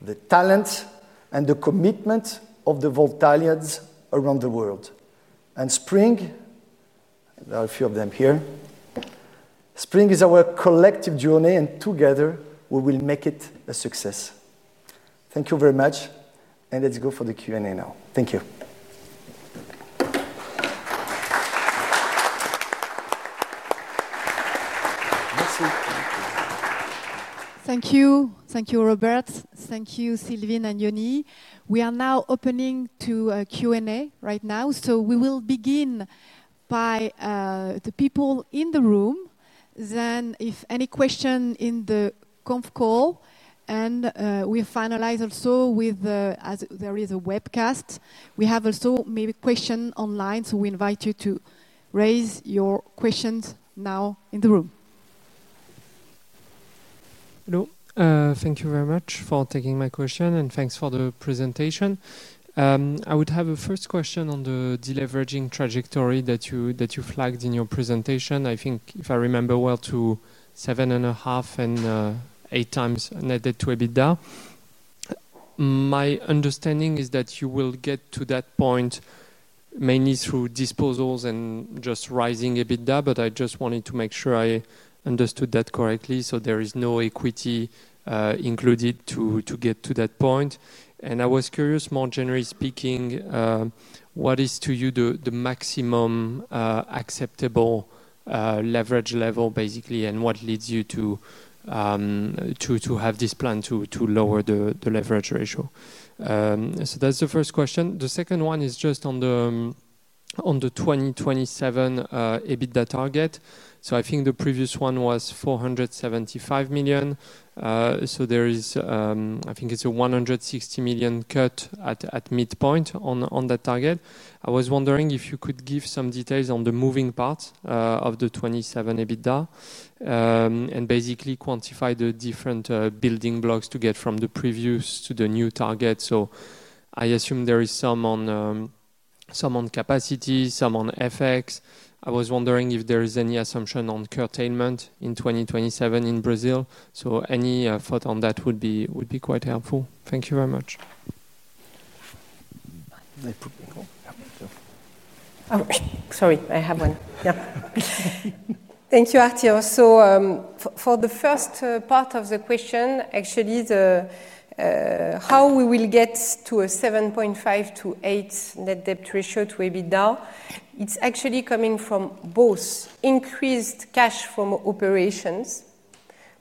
the talent and the commitment of the Voltelians around the world. And Spring, there are a few of them here. Spring is our collective journey and together we will make it a success. Thank you very much. And let's go for the Q and A now. Thank you. Thank you. Thank you, Robert. Thank you, Sylvain and Yoni. We are now opening to Q and A right now. So we will begin by the people in the room, then if any question in the conference call, and we finalize also with as there is a webcast. We have also maybe question online, so we invite you to raise your questions now in the room. Thank you very much for taking my question, and thanks for the presentation. I would have a first question on deleveraging trajectory that you flagged in your presentation. I think, if I remember well, to 7.5 times and eight times net debt to EBITDA. My understanding is that you will get to that point mainly through disposals and just rising EBITDA, but I just wanted to make sure I understood that correctly. So there is no equity included to get to that point. And I was curious, generally speaking, what is to you the maximum acceptable leverage level basically? And what leads you to have this plan to lower the leverage ratio? So that's the first question. The second one is just on the 2027 EBITDA target. So I think the previous one was €475,000,000 So there is I think it's a €160,000,000 cut at midpoint on that target. I was wondering if you could give some details on the moving parts of the 27,000,000 EBITDA and basically quantify the different building blocks to get from the previous to the new target. So I assume there is some on capacity, some on FX. I was wondering if there is any assumption on curtailment in 2027 in Brazil. So any thought on that would be quite helpful. Thank you very much. Thank you, Artio. So for the first part of the question, actually, the how we will get to a 7.5 to eight net debt ratio to EBITDA, it's actually coming from both increased cash from operations,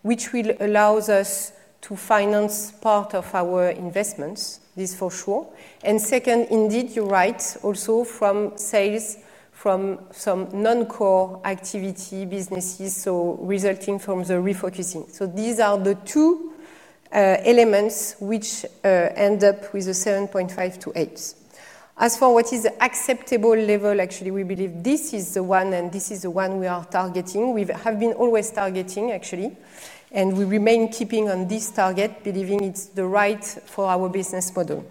which will allows us to finance part of our investments. This is for sure. And second, indeed, you're right, also from sales from some noncore activity businesses, so resulting from the refocusing. So these are the two elements which end up with a 7.5 to eight. As for what is acceptable level, actually, we believe this is the one and this is the one we are targeting. We have been always targeting, actually. And we remain keeping on this target, believing it's the right for our business model.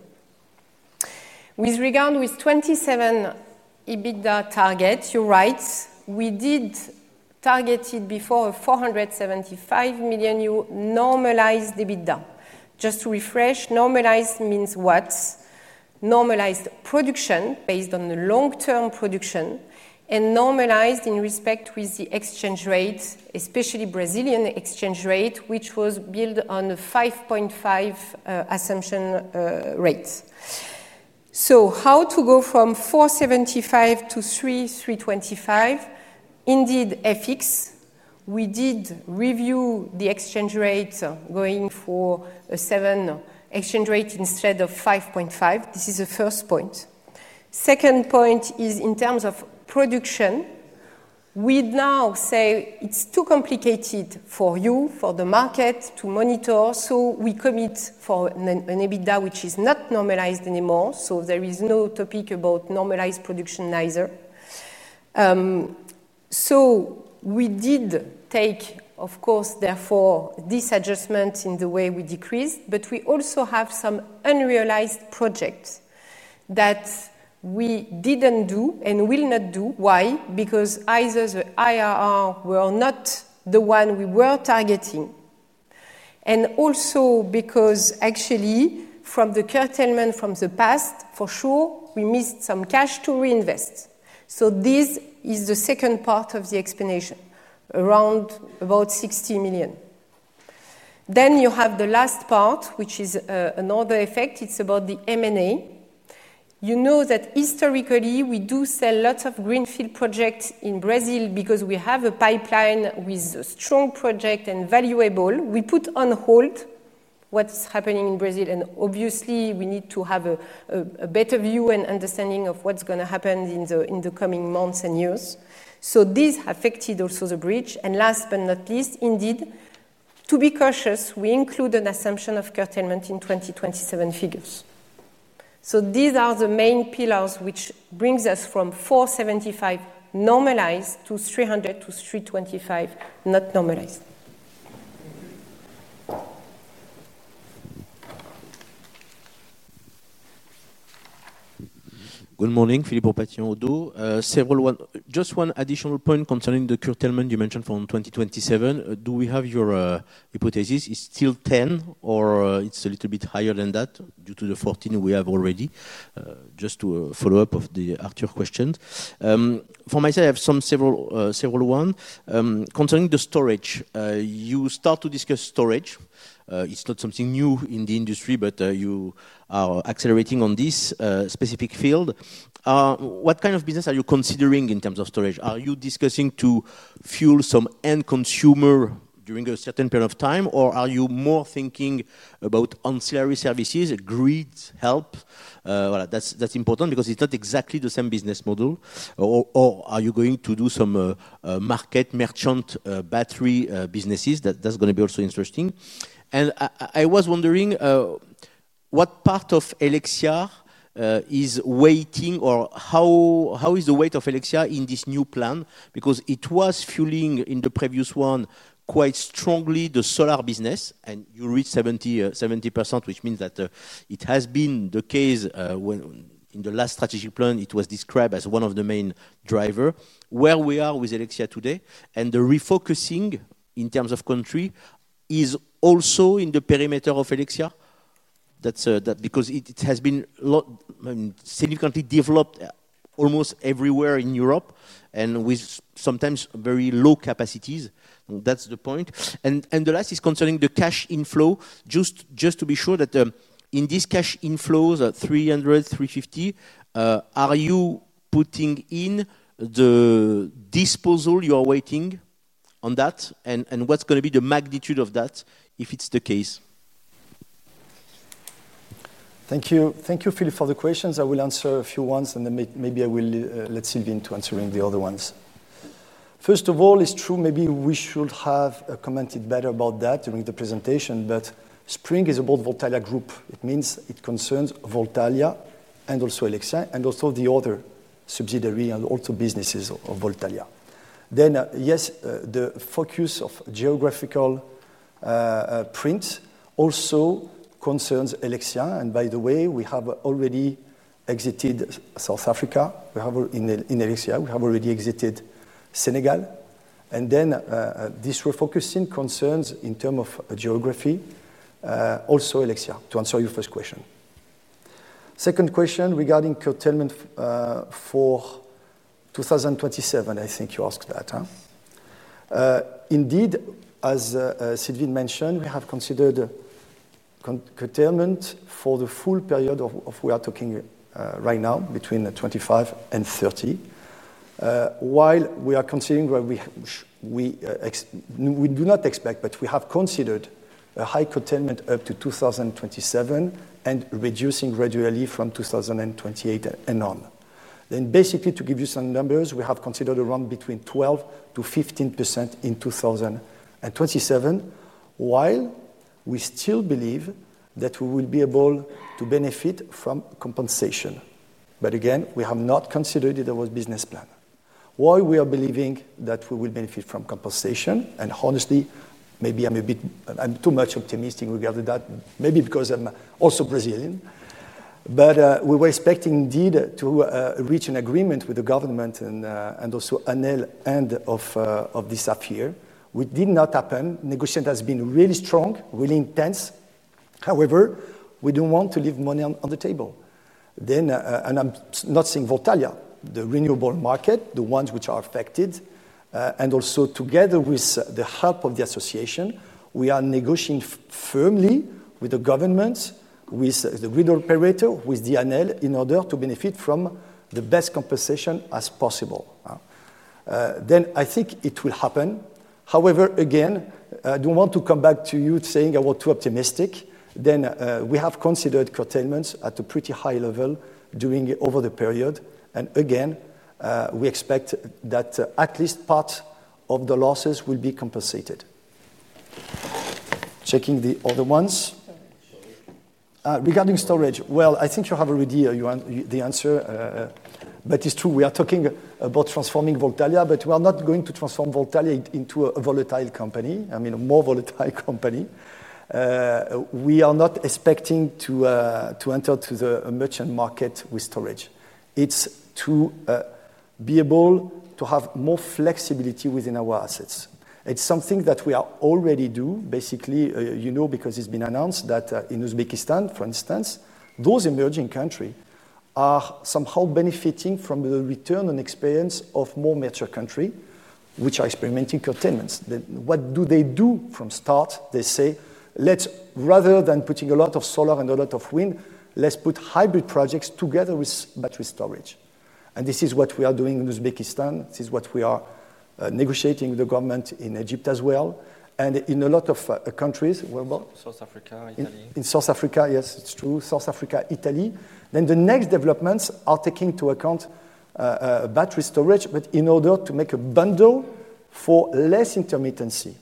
With regard with 27 EBITDA target, you're right, we did target it before EUR €475,000,000 normalized EBITDA. Just to refresh, normalized means what? Normalized production based on the long term production and normalized in respect with the exchange rates, especially Brazilian exchange rate, which was built on 5.5 assumption rates. So how to go from 4.75% to 3.325%? Indeed, FX, we did review the exchange rates going for a seven exchange rate instead of 5.5. This is the first point. Second point is in terms of production. We'd now say it's too complicated for you, for the market to monitor, so we commit for an an EBITDA which is not normalized anymore. So there is no topic about normalized production neither. So we did take, of course, therefore, this adjustment in the way we decreased, but we also have some unrealized projects that we didn't do and will not do. Why? Because either the IRR were not the one we were targeting. And also because actually from the curtailment from the past, for sure, we missed some cash to reinvest. So this is the second part of the explanation, around about 60,000,000. Then you have the last part, which is another effect. It's about the m and a. You know that historically, we do sell lots of greenfield projects in Brazil because we have a pipeline with strong project and valuable. We put on hold what's happening in Brazil. And obviously, we need to have a better view understanding of what's going to happen in the coming months and years. So this affected also the bridge. And last but not least, indeed, to be cautious, we include an assumption of curtailment in 2027 figures. So these are the main pillars which brings us from €475,000,000 normalized to 300,000,000 to €325,000,000 not normalized. Morning. Philippe O'Patien, Raudot. Just one additional point concerning the curtailment you mentioned from 2027. Do we have your hypothesis? It's still 10% or it's a little bit higher than that due to 14% we have already? Just to follow-up of the Arthur question. For myself, have some several one. Concerning the storage, you start to discuss storage. It's not something new in the industry, but you are accelerating on this specific field. What kind of business are you considering in terms of storage? Are you discussing to fuel some end consumer during a certain period of time? Or are you more thinking about ancillary services, agreed help? That's important because it's not exactly the same business model. Or are you going to do some market merchant battery businesses? That's going to be also interesting. And I was wondering what part of Alexia is waiting or how is the weight of Alexia in this new plan? Because it was fueling in the previous one quite strongly the solar business, and you reached 70%, which means that it has been the case in the last strategic plan, it was described as one of the main driver. Where we are with Alexia today? And the refocusing in terms of country is also in the perimeter of Alexia. That's because it has been significantly developed almost everywhere in Europe and with sometimes very low capacities. That's the point. And the last is concerning the cash inflow. Just to be sure that in this cash inflow, the $30,000,000,350,000,000 euros are you putting in the disposal you are waiting on that? And what's going to be the magnitude of that if it's the case? Thank you, Philippe for the questions. I will answer a few ones and then maybe I will let Sylvain to answering the other ones. First of all, it's true maybe we should have commented better about that during the presentation, but Spring is about Voltalya Group. It means it concerns Voltalya and also Alexei and also the other subsidiary and also businesses of Voltalya. Then yes, the focus of geographical print also concerns Elektra. And by the way, we have already exited South Africa. We have in Alexia, we have already exited Senegal. And then this refocusing concerns in term of geography, also Alexia to answer your first question. Second question regarding curtailment for 2027, I think you asked that. Indeed, as Siddine mentioned, we have considered curtailment for the full period of we are talking right now between '25 and '30. While we are considering where we do not expect, but we have considered a high curtailment up to 2027 and reducing gradually from 2028 and on. Then basically to give you some numbers, we have considered around between 12% to 15% in 2027, while we still believe that we will be able to benefit from compensation. But again, we have not considered it our business plan. Why we are believing that we will benefit from compensation? And honestly, maybe I'm a bit I'm too much optimistic regarding that, maybe because I'm also Brazilian. But we were expecting indeed to reach an agreement with the government and also Enel end this half year, which did not happen. Negotiate has been really strong, really intense. However, we don't want to leave money on the table. Then and I'm not saying Votalia, the renewable market, the ones which are affected and also together with the help of the association, we are negotiating firmly with the government, with the wind operator, with the ANL in order to benefit from the best compensation as possible. Then I think it will happen. However, again, I don't want to come back to you saying I want to optimistic, then we have considered curtailments at a pretty high level during over the period. And again, we expect that at least part of the losses will be compensated. Checking the other ones. Regarding storage, well, I think you have already the answer. But it's true, we are talking about transforming Voltalia, but we are not going to transform Voltalia into a volatile company, I mean, more volatile company. We are not expecting to enter to the merchant market with storage. It's to be able to have more flexibility within our assets. It's something that we are already do basically, know, because it's been announced that in Uzbekistan, for instance, those emerging country are somehow benefiting from the return on experience of more mature country, which are experimenting curtailments. What do they do from start, they say, let's rather than putting a lot of solar and a lot of wind, let's put hybrid projects together with battery storage. And this is what we are doing in Uzbekistan. This is what we are negotiating with the government in Egypt as well. And in a lot of countries where both? South Africa, Italy. In South Africa, yes, it's true, South Africa, Italy. Then the next developments are taking into account battery storage, but in order to make a bundle for less intermittency,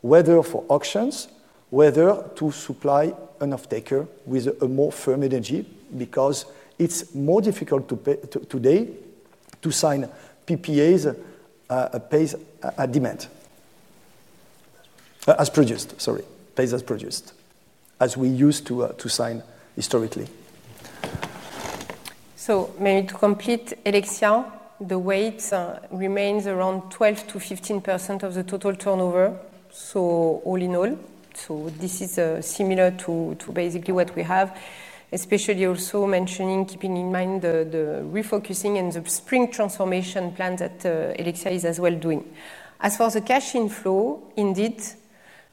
whether for auctions, whether to supply an off taker with a more firm energy, because it's more difficult today to sign PPAs at pace demand as produced, sorry, pace as produced as we used to sign historically. So maybe to complete Alexia, the weight remains remains around around 1212% to 15% of the total turnover. So all in all, so this is similar to to basically what we have, especially also mentioning, keeping in mind the refocusing and the spring transformation plan that, Alexa is as well doing. As far as the cash inflow, indeed,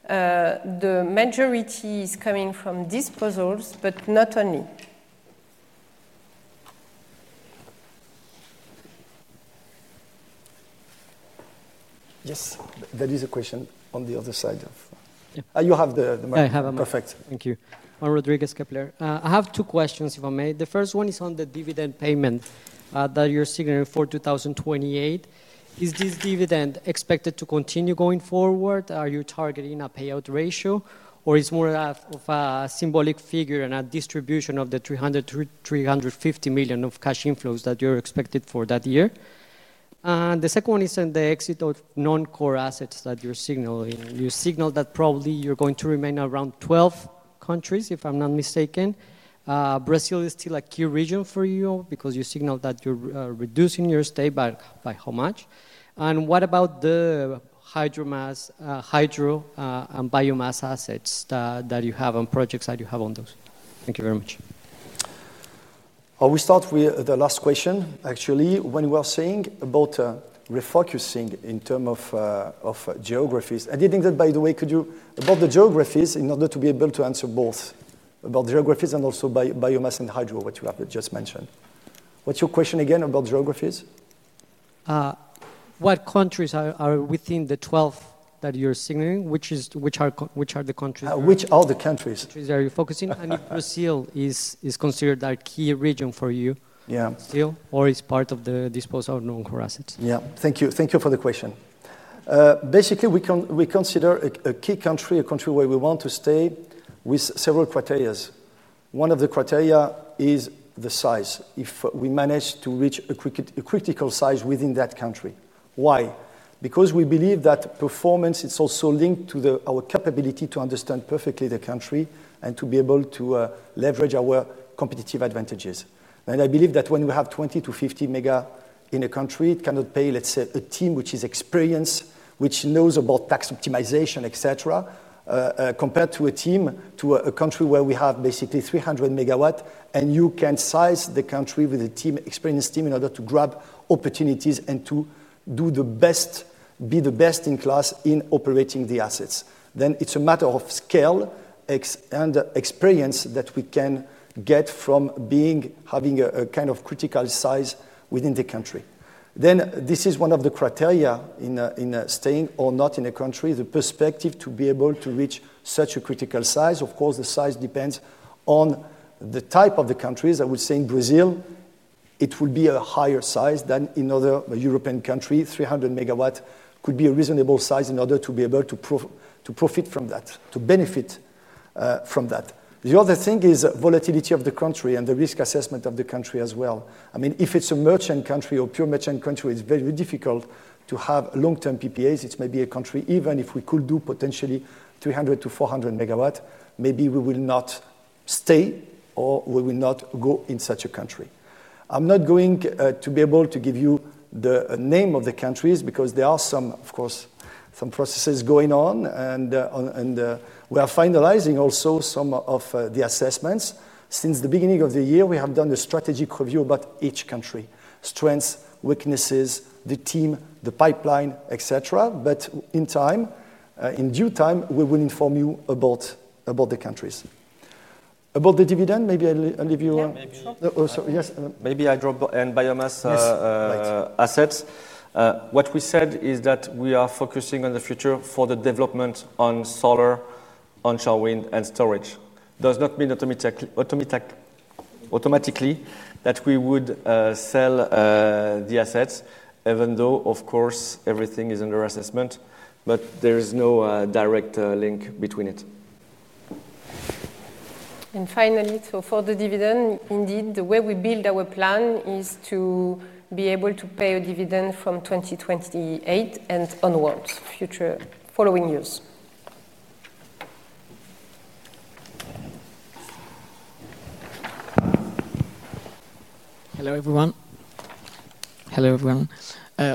the majority is coming from disposals, but not only. Yes, there is a question on the other side. You have the mic. Perfect. You. I'm Rodriguez Kefler. I have two questions, if I may. The first one is on the dividend payment that you're seeing for 2028. Is this dividend expected to continue going forward? Are you targeting a payout ratio? Or it's more of a symbolic figure and a distribution of the 300,000,000 to three fifty million euros of cash inflows that you're expected for that year? And the second one is on the exit of noncore assets that you're signaling. You signaled that probably you're going to remain around 12 countries, if I'm not mistaken. Brazil is still a key region for you because you signaled that you're reducing your stay by how much? And what about the hydro biomass assets that you have on projects that you have on those? Thank you very much. I will start with the last question. Actually, when we are saying about refocusing in term of geographies, I didn't think that by the way, could you about the geographies in order to be able to answer both about geographies and also biomass and hydro, which you have just mentioned. What's your question again about geographies? What countries are within the 12 that you're signaling, which are the countries? Which are the countries? Are you focusing? And Brazil is considered a key region for you still or is part of the disposal of non core assets? Yeah. Thank you for the question. Basically, consider a key country, a country where we want to stay with several criterias. One of the criteria is the size, if we manage to reach a critical size within that country. Why? Because we believe that performance is also linked to our capability to understand perfectly the country and to be able to leverage our competitive advantages. And I believe that when we have 20 to 50 mega in a country, it cannot pay, let's say, a team which is experienced, which knows about tax optimization etcetera, compared to a team to a country where we have basically 300 megawatt and you can size the country with a team experienced team in order to grab opportunities and to do the best be the best in class in operating the assets. Then it's a matter of scale and experience that we can get from being having a kind of critical size within the country. Then this is one of the criteria in staying or not in a country, the perspective to be able to reach such a critical size. Of course, the size depends on the type of the countries. I would say in Brazil, it would be a higher size than in other European countries, 300 megawatt could be a reasonable size in order to be able to profit from that, to benefit from that. The other thing is volatility of the country and the risk assessment of the country as well. I mean, if it's a merchant country or pure merchant country, it's very difficult to have long term PPAs, it's maybe a country even if we could do potentially 300 to 400 megawatt, maybe we will not stay or we will not go in such a country. I'm not going to be able to give you the name of the countries because there are some of course some processes going on and we are finalizing also some of the assessments. Since the beginning of the year, we have done a strategic review about each country, strengths, weaknesses, the team, the pipeline, etcetera. In time, in due time, we will inform you about the countries. About the dividend, maybe I'll leave you on. Yes, maybe I'll and biomass assets. What we said is that we are focusing on the future for the development on solar, onshore wind and storage. Does not mean automatically that we would sell the assets, even though of course everything is under assessment, but there is no direct link between it. And finally, so for the dividend, indeed the way we build our plan is to be able to pay a dividend from 2028 and onwards future following years. Everyone.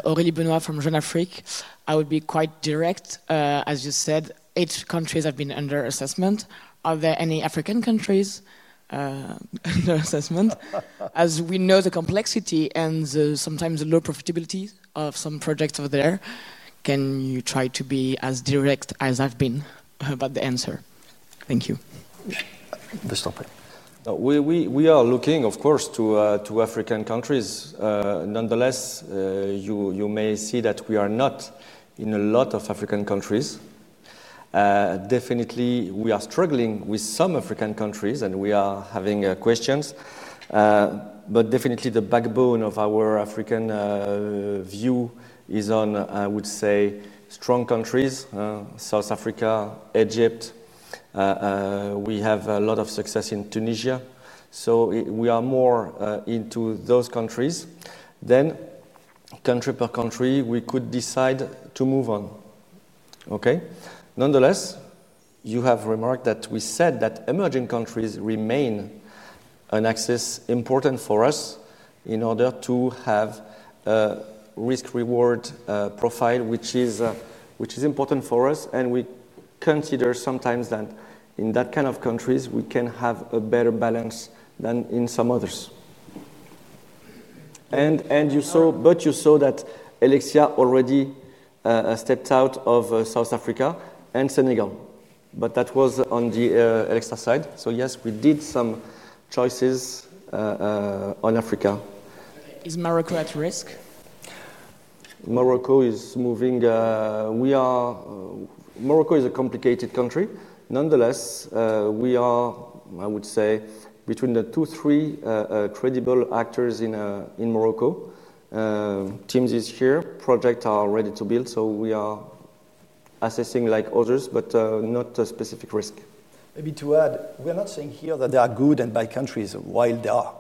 Aurelie Benoit from Jean Afrique. I would be quite direct. As you said, eight countries have been under assessment. Are there any African countries under assessment? As we know the complexity and the low profitability of some projects over there, can you try to be as direct as I've been about the answer? Thank you. We are looking of course to African countries. Nonetheless, you may see that we are not in a lot of African countries. Definitely, are struggling with some African countries and we are having questions, But definitely the backbone of our African view is on, I would say, strong countries, South Africa, Egypt. We have a lot of success in Tunisia. So we are more into those countries. Then country per country, we could decide to move on. Okay. Nonetheless, you have remarked that we said that emerging countries remain an access important for us in order to have a risk reward profile, which is important for us and we consider sometimes that in that kind of countries, we can have a better balance than in some others. And you but saw you saw that Alexia already stepped out of South Africa and Senegal, but that was on the Alexa side. So yes, we did some choices, on Africa. Is Morocco at risk? Morocco is moving, we are Morocco is a complicated country. Nonetheless, we are, I would say, between the two, three credible actors in Morocco. Teams is here, project are ready to build. So we are assessing like others, but not a specific risk. Maybe to add, we're not saying here that they are good and bad countries, while they are.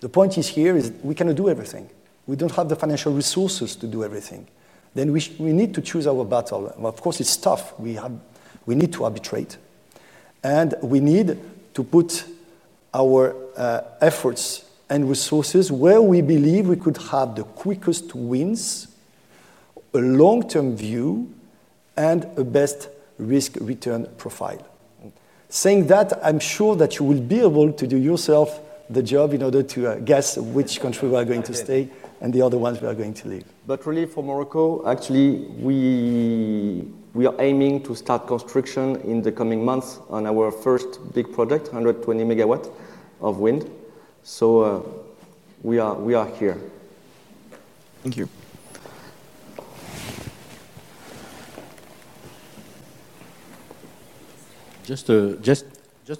The point is here is we cannot do everything. We don't have the financial resources to do everything. Then we need to choose our battle. Of course, it's tough, we need to arbitrate. And we need to put our efforts and resources where we believe we could have the quickest wins, a long term view and the best risk return profile. Saying that, I'm sure that you will be able to do yourself the job in order to guess which country we are going to and the other ones we are going to leave. But really for Morocco, actually we are aiming to start construction in the coming months on our first big project, 120 megawatt of wind. So we are here. Thank you. Just a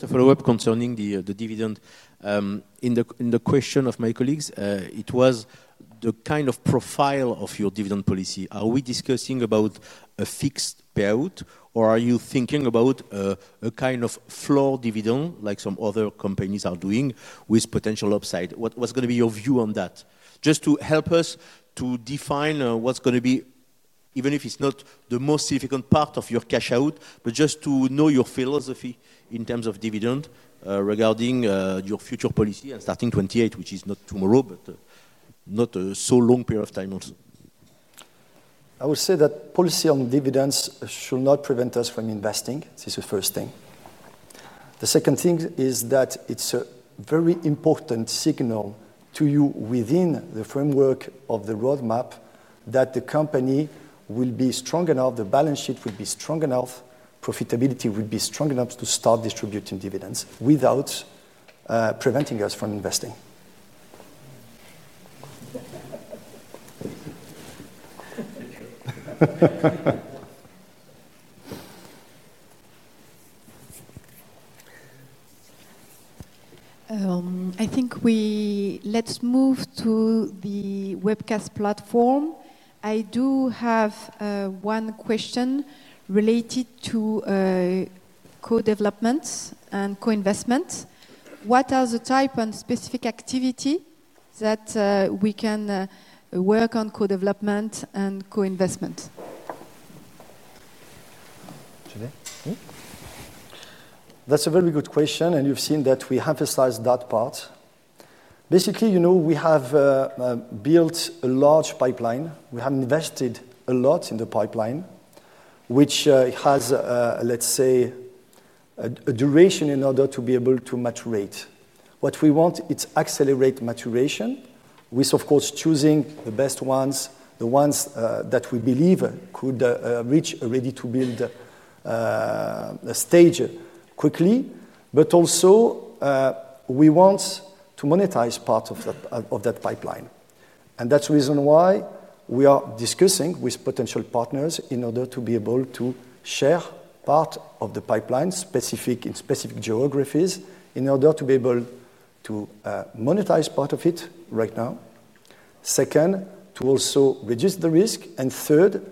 follow-up concerning the dividend. In the question of my colleagues, it was the kind of profile of your dividend policy. Are we discussing about a fixed payout? Or are you thinking about a kind of floor dividend like some other companies are doing with potential upside? What's going to be your view on that? Just to help us to define what's going to be even if it's not the most significant part of your cash out, but just to know your philosophy in terms of dividend regarding your future policy and starting 2028, which is not tomorrow, but not so long period of time also? I will say that policy on dividends should not prevent us from investing. This is the first thing. The second thing is that it's a very important signal to you within the framework of the roadmap that the company will be strong enough, the balance sheet will be strong enough, profitability will be strong enough to start distributing dividends without preventing us from investing. I think we let's move to the webcast platform. I do have one question related to co developments and co investments. What are the type and specific activity that we can work on co development and co investment? That's a very good question and you've seen that we emphasize that part. Basically, have built a large pipeline. We have invested a lot in the pipeline, which has let's say a duration in order to be able to mature rate. What we want it accelerate maturation with of course choosing the best ones, the ones that we believe could reach a ready to build stage quickly. But also, we want to monetize part of that pipeline. And that's the reason why we are discussing with potential partners in order to be able to share part of the pipeline specific in specific geographies in order to be able to monetize part of it right now. Second, to also reduce the risk. And third,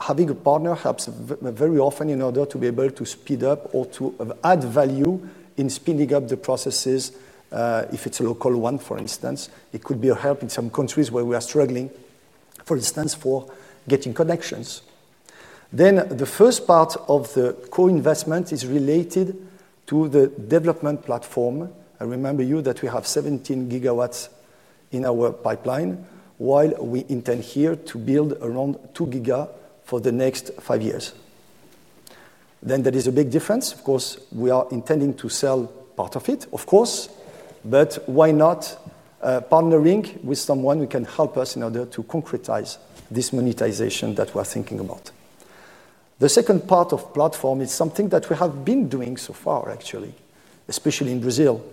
having a partner helps very often in order to be able to speed up or to add value in speeding up the processes. If it's a local one, for instance, it could be a help in some countries where we are struggling, for instance, for getting connections. Then the first part of the co investment is related to the development platform. I remember you that we have 17 gigawatts in our pipeline, while we intend here to build around two giga for the next five years. Then there is a big difference, of course, we are intending to sell part of it, of course, but why not partnering with someone who can help us in order to concretize this monetization that we're thinking about. The second part of platform is something that we have been doing so far actually, especially in Brazil,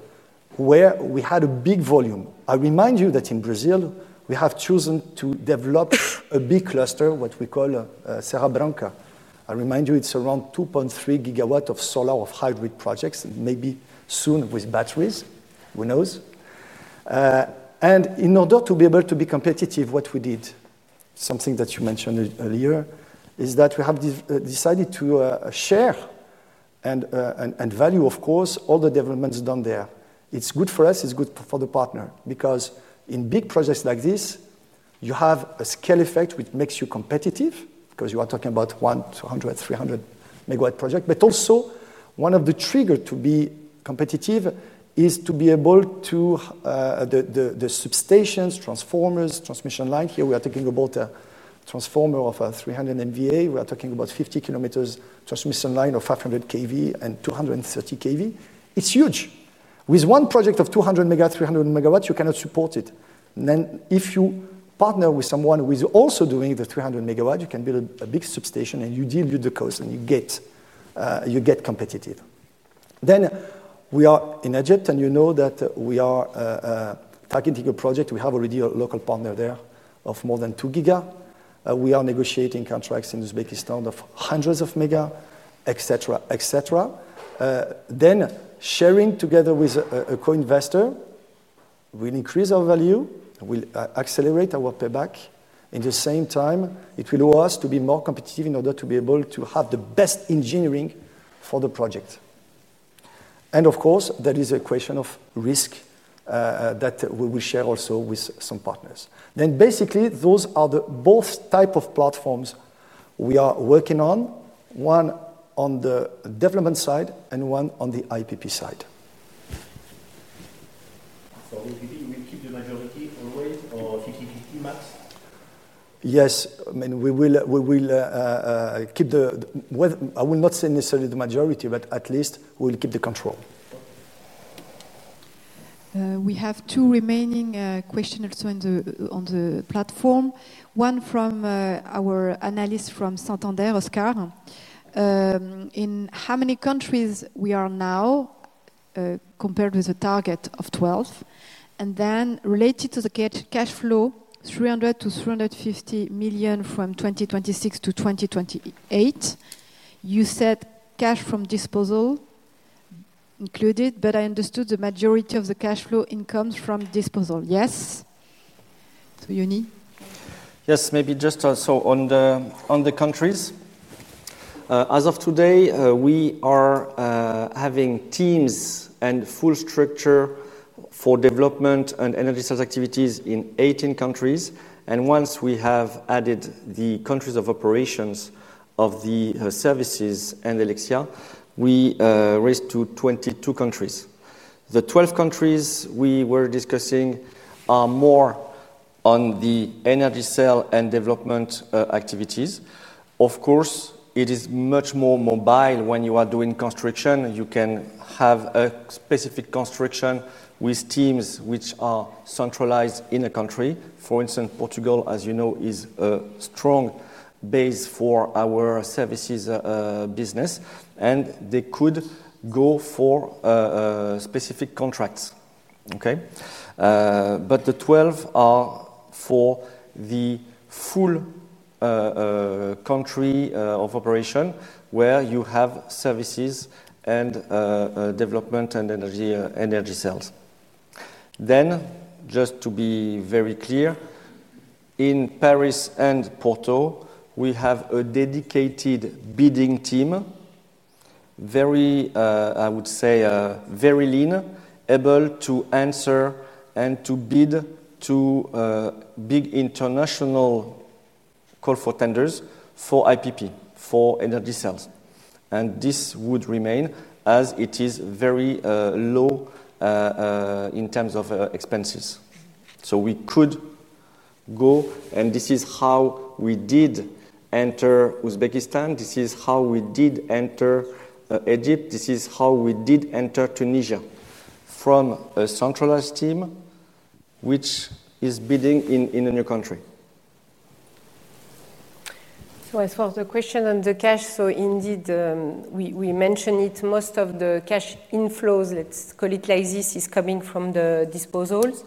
where we had a big volume. I remind you that in Brazil, we have chosen to develop a big cluster, what we call Serra Branca. I remind you, it's around 2.3 gigawatt of solar of hybrid projects, maybe soon with batteries, who knows. And in order to be able to be competitive, what we did, something that you mentioned earlier, is that we have decided to share and value of course all the developments done there. It's good for us, it's good for the partner, because in big projects like this, you have a scale effect, which makes you competitive, because you are talking about one, two hundred, 300 megawatt project, but also one of the trigger to be competitive is to be able to the substations, transformers, transmission line, here we are talking about transformer of 300 MVA, we are talking about 50 kilometers transmission line of 500 KV and two thirty KV, it's huge. With one project of 200 mega, 300 megawatts, you cannot support it. And then if you partner with someone who is also doing the 300 megawatt, you can build a big substation and you deal with the cost and you get competitive. Then we are in Egypt and you know that we are targeting a project, we have already a local partner there of more than two giga. We are negotiating contracts in Uzbekistan of hundreds of mega, etcetera, etcetera. Then sharing together with a co investor will increase our value, will accelerate our payback. In the same time, it will allow us to be more competitive in order to be able to have the best engineering for the project. And of course, there is a question of risk that we will share also with some partners. Then basically, those are the both type of platforms we are working on, one on the development side and one on the IPP side. So OPV, we keep the majority always or fifty fifty max? Yes. I mean, we will keep the I will not say necessarily the majority, but at least we'll keep the control. We have two remaining questions on the platform. One from our analyst from Santander, Oscar. In how many countries we are now compared with the target of 12? And then related to the cash flow, 300,000,000 to EUR $350,000,000 from 2026 to 2028. You said cash from disposal included, but I understood the majority of the cash flow incomes from disposal, yes? So Yuni? Yes, maybe just so on the countries. As of today, we are having teams and full structure for development and energy sales activities in 18 countries. And once we have added the countries of operations of the services and Alexia, we raised to 22 countries. The 12 countries we were discussing are more on the energy sale and development activities. Of course, it is much more mobile when you are doing construction, you can have a specific construction with teams which are centralized in a country. For instance, Portugal as you know is a strong base for our services business and they could go for specific contracts, okay. But the 12 country of operation where you have services and development and energy sales. Then just to be very clear, in Paris and Porto, we have a dedicated bidding team, very, I would say, very lean, able to answer and to bid to big international call for tenders for IPP, for energy sales. And this would remain as it is very low in terms of expenses. So we could go and this is how we did enter Uzbekistan, this is how we did enter Egypt, this is how we did enter Tunisia from a centralized team which is bidding in a new country. So as far as the question on the cash, so indeed we mentioned it most of the cash inflows, let's call it like this is coming from the disposals.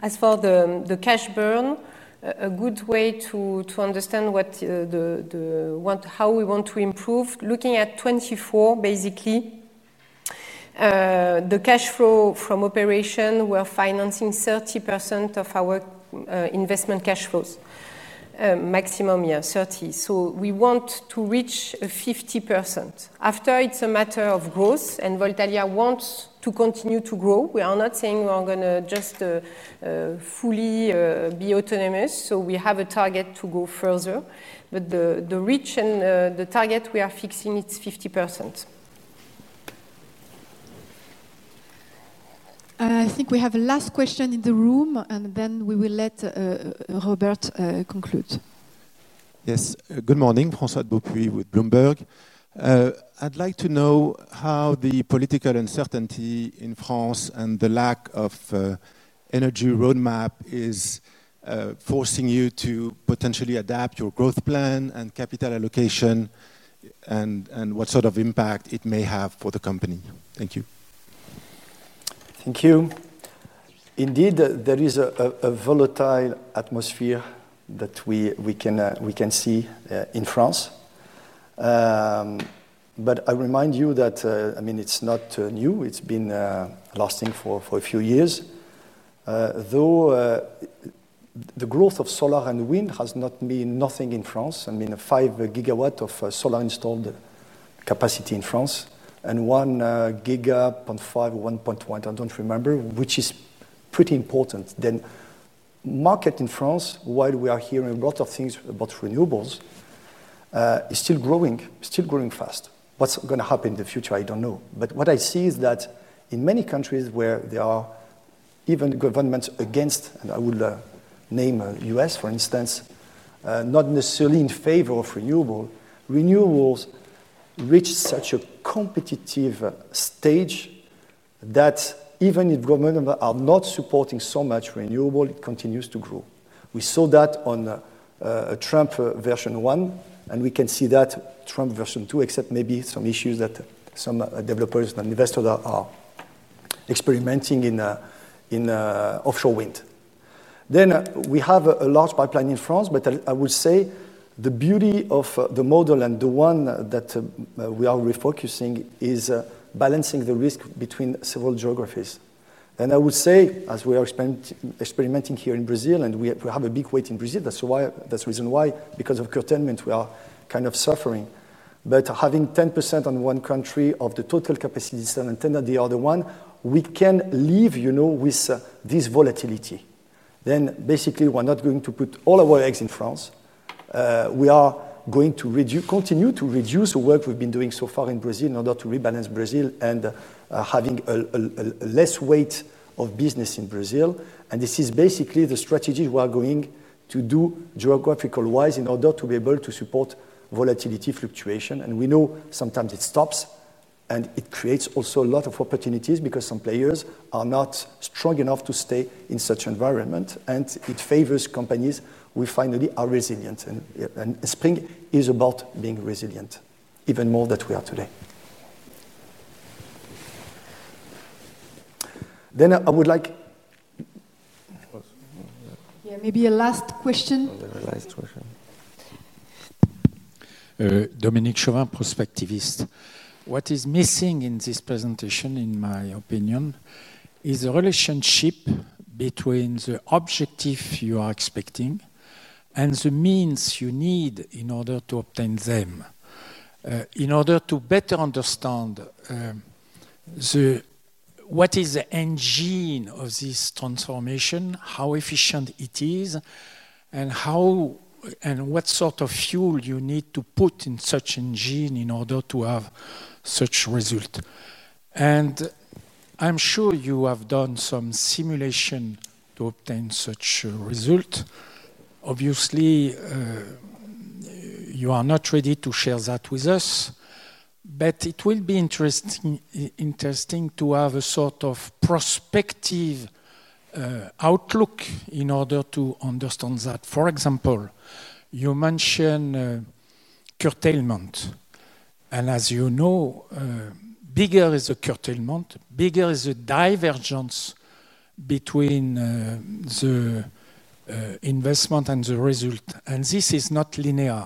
As for the cash burn, a good way to understand what the how we want to improve, looking at '24 basically, the cash flow from operation, we're financing 30% of our investment cash flows, maximum, yes, 30%. So we want to reach 50%. After it's a matter of growth, and Voltalya wants to continue to grow. We are not saying we're going to just fully be autonomous. So we have a target to go further. But the reach and the target we are fixing, it's 50%. I think we have the last question in the room, and then we will let Robert conclude. Morning. Francois Beaupuis with Bloomberg. I'd like to know how the political uncertainty in France and the lack of energy road map is forcing you to potentially adapt your growth plan and capital allocation and what sort of impact it may have for the company? Thank you. Thank you. Indeed, there is a volatile atmosphere that we can see in France. But I remind you that I mean it's not new. It's been lasting for a few years. Though the growth of solar and wind has not been nothing in France. I mean five gigawatt of solar installed capacity in France and one giga 0.5, 1.1, I don't remember which is pretty important. Then market in France, while we are hearing a lot of things about renewables, is still growing, still growing fast. What's going to happen in the future, I don't know. But what I see is that in many countries where there are even governments against, and I will name U. S. For instance, not necessarily in favor of renewable, renewables reach such a competitive stage that even if government are not supporting so much renewable, it continues to grow. We saw that on Trump version one and we can see that Trump version two, except maybe some issues that some developers and investors are experimenting in offshore wind. Then we have a large pipeline in France, but I will say the beauty of the model and the one that we are refocusing is balancing the risk between several geographies. And I would say, as we are experimenting here in Brazil, and we have a big weight in Brazil, that's why that's the reason why because of curtailment we are kind of suffering. But having 10% on one country of the total capacity is still intended the other one, we can leave with this volatility. Then basically, we're not going to put all of our eggs in France. We are going to continue to reduce the work we've been doing so far in Brazil in order to rebalance Brazil and having a less weight of business in Brazil. And this is basically the strategy we are going to do geographical wise in order to be able to support volatility fluctuation. And we know sometimes it stops and it creates also a lot of opportunities because some players are not strong enough to stay in such environment and it favors companies who finally are resilient. And Spring is about being resilient, even more than we are today. Then I would like Yeah. Maybe a last question. Last question. Dominique, prospectivist. What is missing in this presentation, in my opinion, is the relationship between the objective you are expecting and the means you need in order to obtain them. In order to better understand the what is the engine of this transformation, how efficient it is and how and what sort of fuel you need to put in such engine in order to have such result. And I'm sure you you have done some simulation to obtain such result. Obviously, you are not ready to share that with us, but it will be interesting to have a sort of prospective prospective outlook in order to understand that. For example, you mentioned curtailment. And as you know, bigger is a curtailment, bigger is a divergence between the investment and the result. And this is not linear.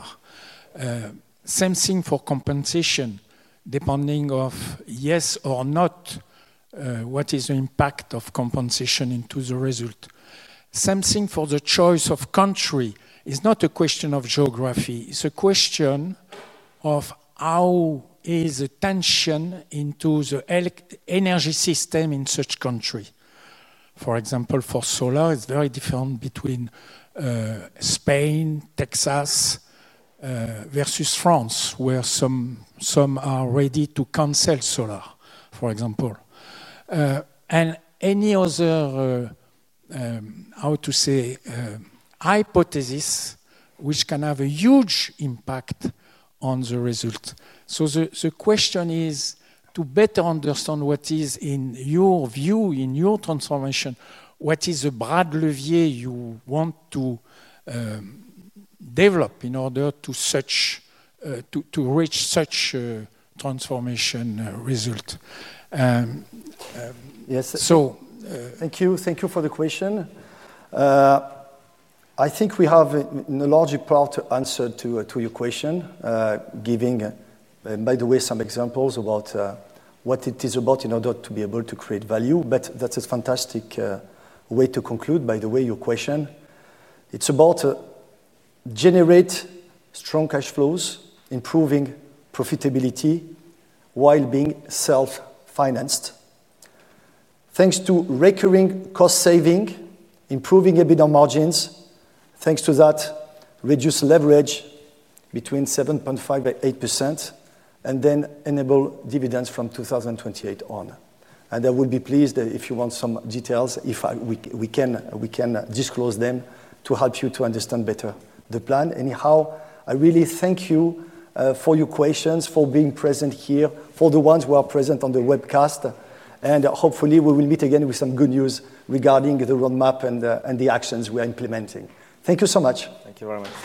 Same thing for compensation, depending of yes or not, what is the impact of compensation into the result. Same thing for the choice of country. It's not a question of geography. It's a question of how is attention into the energy system in such country. For example, for solar, it's very different between Spain, Texas, versus France, where some are ready to cancel solar, for example. And, any other, how to say, hypothesis which can have a huge impact on the result. So, the question is to better understand what is, in your view, in your transformation, what is a brand levy you want to develop in order to reach such transformation result? Thank you. Thank you for the question. I think we have the larger part answer to your question, giving by the way some examples about what it is about in order to be able to create value, but that is fantastic way to conclude by the way your question. It's about generate strong cash flows, improving profitability while being self financed. Thanks to recurring cost saving, improving EBITDA margins, thanks thanks to that reduced leverage between 7.58% and then enable dividends from 2028 on. And I would be pleased that if you want some details, if can disclose them to help you to understand better the plan. Anyhow, I really thank you for your questions, for being present here, for the ones who are present on the webcast. And hopefully, we will meet again with some good news regarding the roadmap and the actions we are implementing. Thank you so much. Thank you very much.